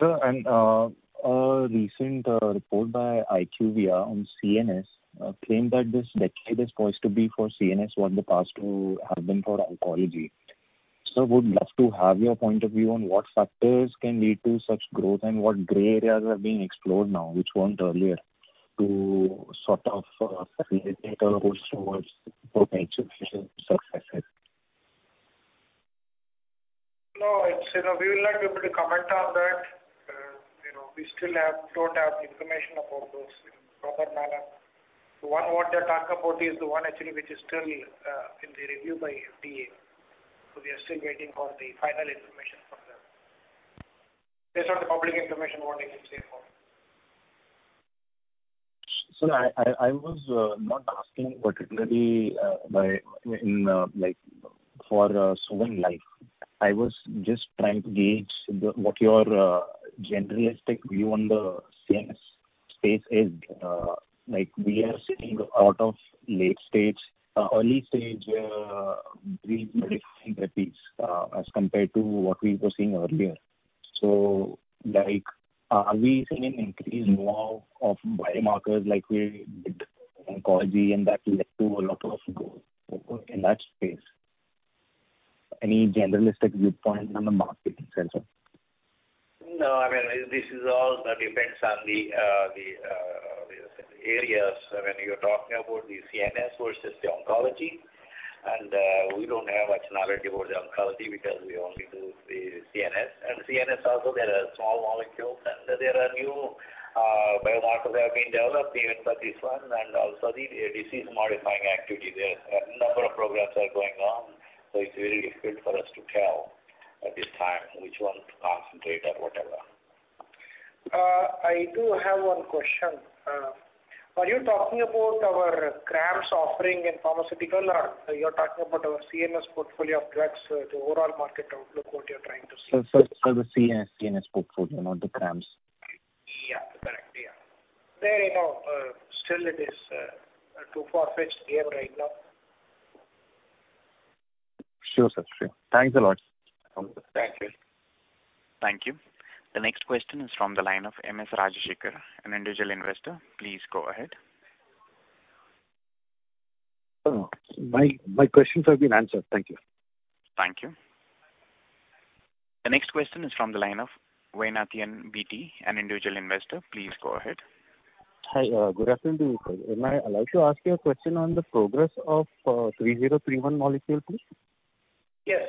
sir. A recent report by IQVIA on CNS claimed that this decade is poised to be for CNS what the past two have been for oncology. Would love to have your point of view on what factors can lead to such growth and what gray areas are being explored now which weren't earlier to sort of facilitate our road towards potential future successes. No, you know, we will not be able to comment on that. We don't have information about those in proper manner. The one what they talk about is the one actually which is still in the review by FDA. We are still waiting for the final information from them. Based on the public information, what they can say more. Sir, I was not asking particularly for Suven Life. I was just trying to gauge what your generalistic view on the CNS space is. Like, we are seeing a lot of late stage early stage disease-modifying therapies as compared to what we were seeing earlier. Like, are we seeing an increase in more of biomarkers like we did in oncology and that led to a lot of growth in that space? Any generalistic viewpoint on the market itself? No, I mean, this all depends on the areas when you're talking about the CNS versus the oncology. We don't have much knowledge about the oncology because we only do the CNS. CNS also, there are small molecules and there are new biomarkers that have been developed even for this one and also the disease-modifying activity. There's a number of programs are going on, so it's very difficult for us to tell at this time which one to concentrate or whatever. I do have one question. Are you talking about our CRAMS offering in pharmaceutical or you're talking about our CNS portfolio of drugs, the overall market outlook, what you're trying to say? Sir, the CNS portfolio, not the CRAMS. Yeah. Correct. Yeah. There, you know, still it is too far-fetched to give right now. Sure, sir. Sure. Thanks a lot. Thank you. Thank you. The next question is from the line of M. S. Rajasekhar, an individual investor. Please go ahead. No. My questions have been answered. Thank you. Thank you. The next question is from the line of Vaidyanathan BT, an individual investor. Please go ahead. Hi. Good afternoon to you, sir. Am I allowed to ask you a question on the progress of 3031 molecule, please? Yes.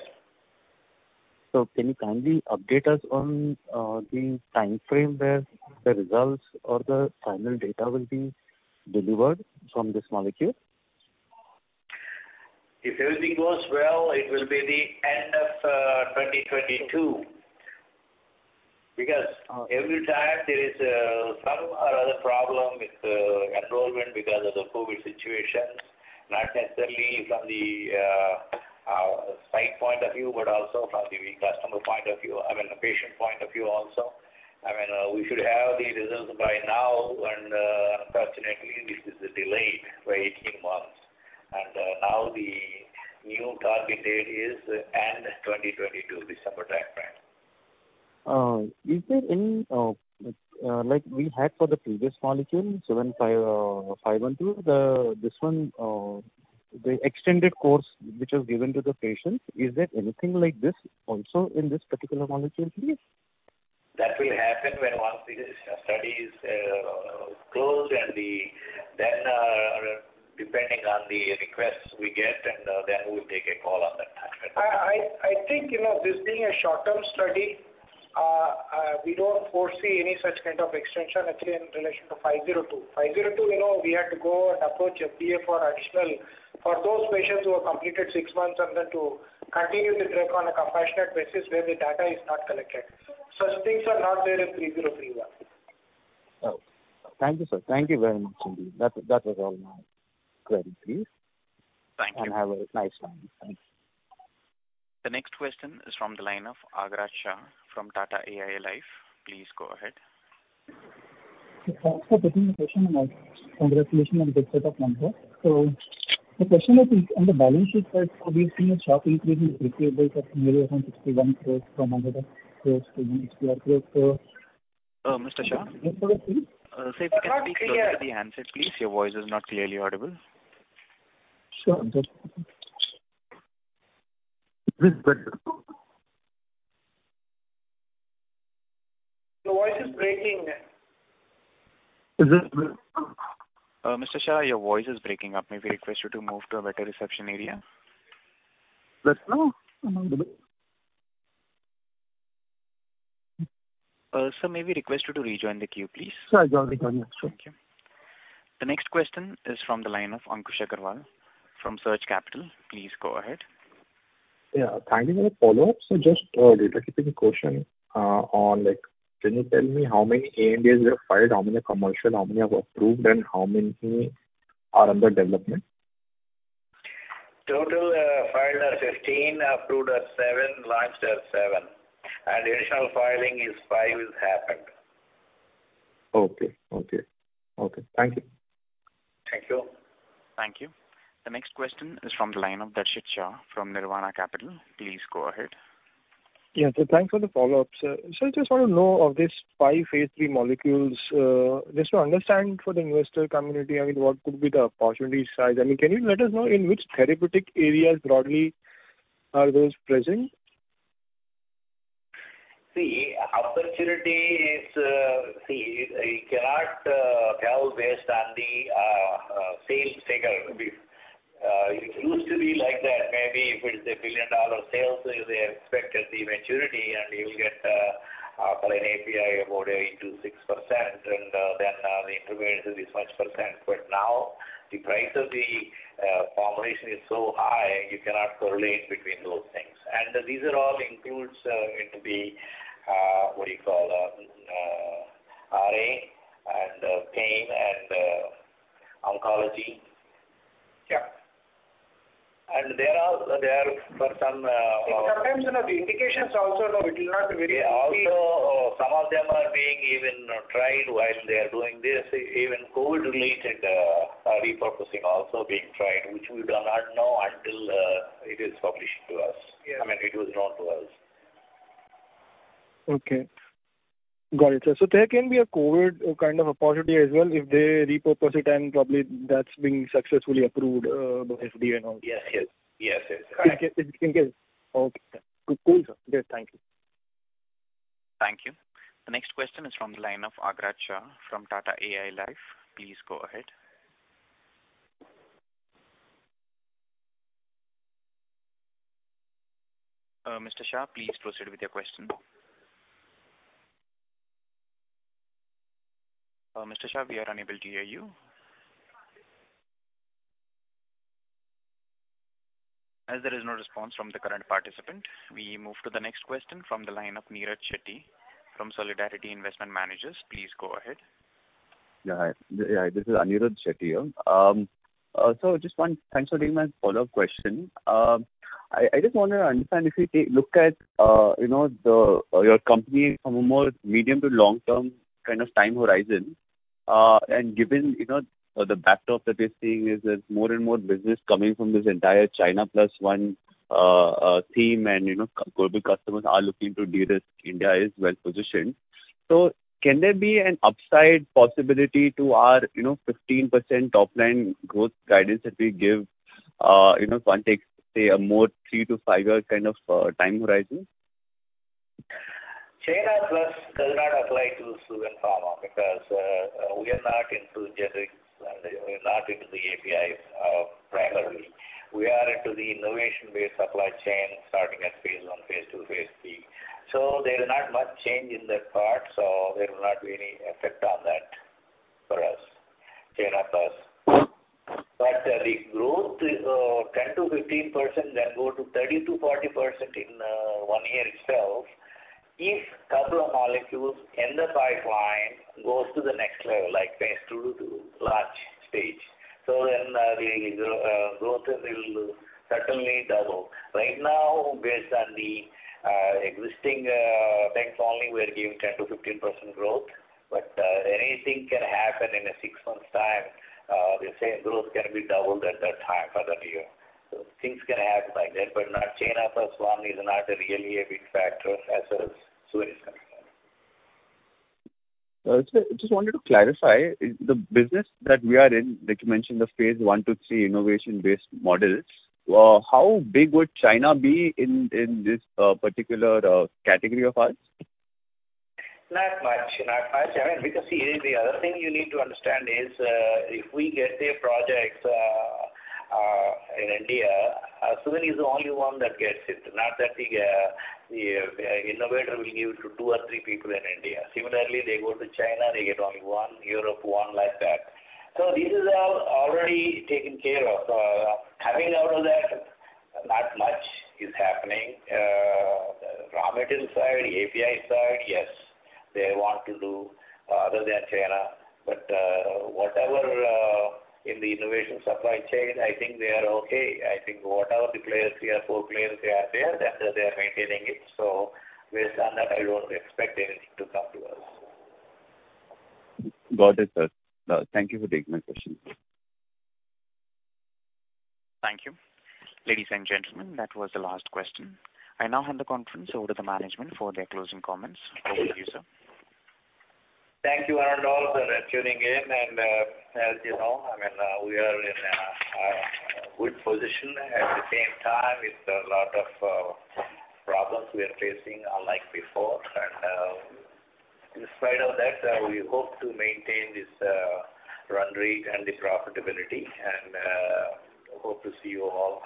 Can you kindly update us on the timeframe where the results or the final data will be delivered from this molecule? If everything goes well, it will be the end of 2022. Oh. Every time there is some or other problem with the enrollment because of the COVID situation, not necessarily from our site point of view, but also from the customer point of view. I mean, the patient point of view also. I mean, we should have the results by now and, unfortunately this is delayed by 18 months. Now the new target date is end 2022, December timeframe. Is there any, like we had for the previous molecule, 75, 512, this one, the extended course which was given to the patients, is there anything like this also in this particular molecule, please? That will happen when the study is closed and then, depending on the requests we get, then we'll take a call on that timeframe. I think, you know, this being a short-term study, we don't foresee any such kind of extension actually in relation to 502. 502, you know, we had to go and approach FDA for additional, for those patients who have completed six months and then to continue the drug on a compassionate basis where the data is not collected. Such things are not there in 3031. Thank you, sir. Thank you very much indeed. That was all my queries. Thank you. Have a nice time. Thanks. The next question is from the line of Agraj Shah from Tata AIA Life. Please go ahead. Thanks for taking the question and congratulations on the good set of numbers. The question is on the balance sheet side, we've seen a sharp increase in receivables from 61 crores to 64 crores. Mr. Shah. I'm sorry, please. Sir, if you can speak closer to the handset, please. Your voice is not clearly audible. Sure. Is this better? Your voice is breaking. Is this better? Mr. Shah, your voice is breaking up. May we request you to move to a better reception area? Better now? Uh, sir, may we request you to rejoin the queue, please? Sure, I'll rejoin. Sure. Thank you. The next question is from the line of Ankush Agrawal from Surge Capital. Please go ahead. Yeah. Thank you for the follow-up. Just a data-keeping question, on, like, can you tell me how many ANDAs you have filed, how many commercial, how many have approved, and how many are under development? Total filed are 15, approved are 7, launched are 7. Additional filing is 5, has happened. Okay. Thank you. Thank you. Thank you. The next question is from the line of Darshit Shah from Nirvana Capital. Please go ahead. Yeah. Thanks for the follow-up, sir. I just wanna know of these five phase III molecules, just to understand for the investor community, I mean, what could be the opportunity size? I mean, can you let us know in which therapeutic areas broadly are those present? See, opportunity is, you cannot tell based on the sales figure. It used to be like that. Maybe if it's $1 billion sales, they expect at the maturity, and you'll get for an API about 8%-6%, and then the intermediate is this much percent. Now the price of the formulation is so high you cannot correlate between those things. These are all includes, it could be, what do you call? RA and pain and oncology. Yeah. There are for some. Sometimes in the indications also, it will not be very. Yeah. Also, some of them are being even tried while they are doing this. Even COVID-related repurposing also being tried, which we do not know until it is published to us. Yeah. I mean, it was known to us. Okay. Got it, sir. There can be a COVID kind of opportunity as well if they repurpose it, and probably that's being successfully approved by FDA and all. Yes. Okay. Cool, sir. Good. Thank you. Thank you. The next question is from the line of Agraj Shah from Tata AIA Life. Please go ahead. Mr. Shah, please proceed with your question. Mr. Shah, we are unable to hear you. As there is no response from the current participant, we move to the next question from the line of Anirudh Shetty from Solidarity Investment Managers. Please go ahead. This is Anirudh Shetty here. Thanks for taking my follow-up question. I just wanna understand if you take a look at, you know, your company from a more medium- to long-term kind of time horizon, and given, you know, the backdrop that we're seeing is there's more and more business coming from this entire China Plus One theme and, you know, global customers are looking to de-risk. India is well-positioned. Can there be an upside possibility to our, you know, 15% top-line growth guidance that we give, you know, if one takes, say, a more 3- to 5-year kind of time horizon? China Plus One does not apply to Suven Pharma because we are not into generics and we're not into the APIs primarily. We are into the innovation-based supply chain starting at phase I, phase II, phase III. There's not much change in that part, so there will not be any effect on that for us, China Plus One. The growth 10%-15% then go to 30%-40% in 1 year itself if couple of molecules in the pipeline goes to the next level, like phase II to launch stage. Then the growth will certainly double. Right now, based on the existing base only, we're giving 10%-15% growth. Anything can happen in a six months' time. The same growth can be doubled at that time for that year. Things can happen like that, but the China Plus One is not really a big factor for Suven Pharma. Just wanted to clarify. The business that we are in, like you mentioned, the phase I to III innovation-based models, how big would China be in this particular category of ours? Not much. I mean, because, see, the other thing you need to understand is, if we get a project, in India, Suven is the only one that gets it. Not that the innovator will give to two or three people in India. Similarly, they go to China, they get only one, Europe one, like that. This is already taken care of. Out of that, not much is happening. The raw material side, API side, yes. They want to do other than China. But whatever, in the innovation supply chain, I think they are okay. I think whatever the players, three or four players, they are there, that they are maintaining it. Based on that, I don't expect anything to come to us. Got it, sir. Thank you for taking my question. Thank you. Ladies and gentlemen, that was the last question. I now hand the conference over to the management for their closing comments. Over to you, sir. Thank you and all for tuning in. As you know, I mean, we are in a good position. At the same time, it's a lot of problems we are facing unlike before. In spite of that, we hope to maintain this run rate and the profitability and hope to see you all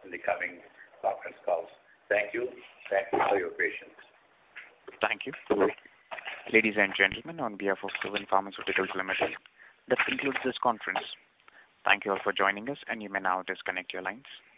in the coming conference calls. Thank you. Thank you for your patience. Thank you. Ladies and gentlemen, on behalf of Suven Pharmaceuticals Limited, that concludes this conference. Thank you all for joining us, and you may now disconnect your lines.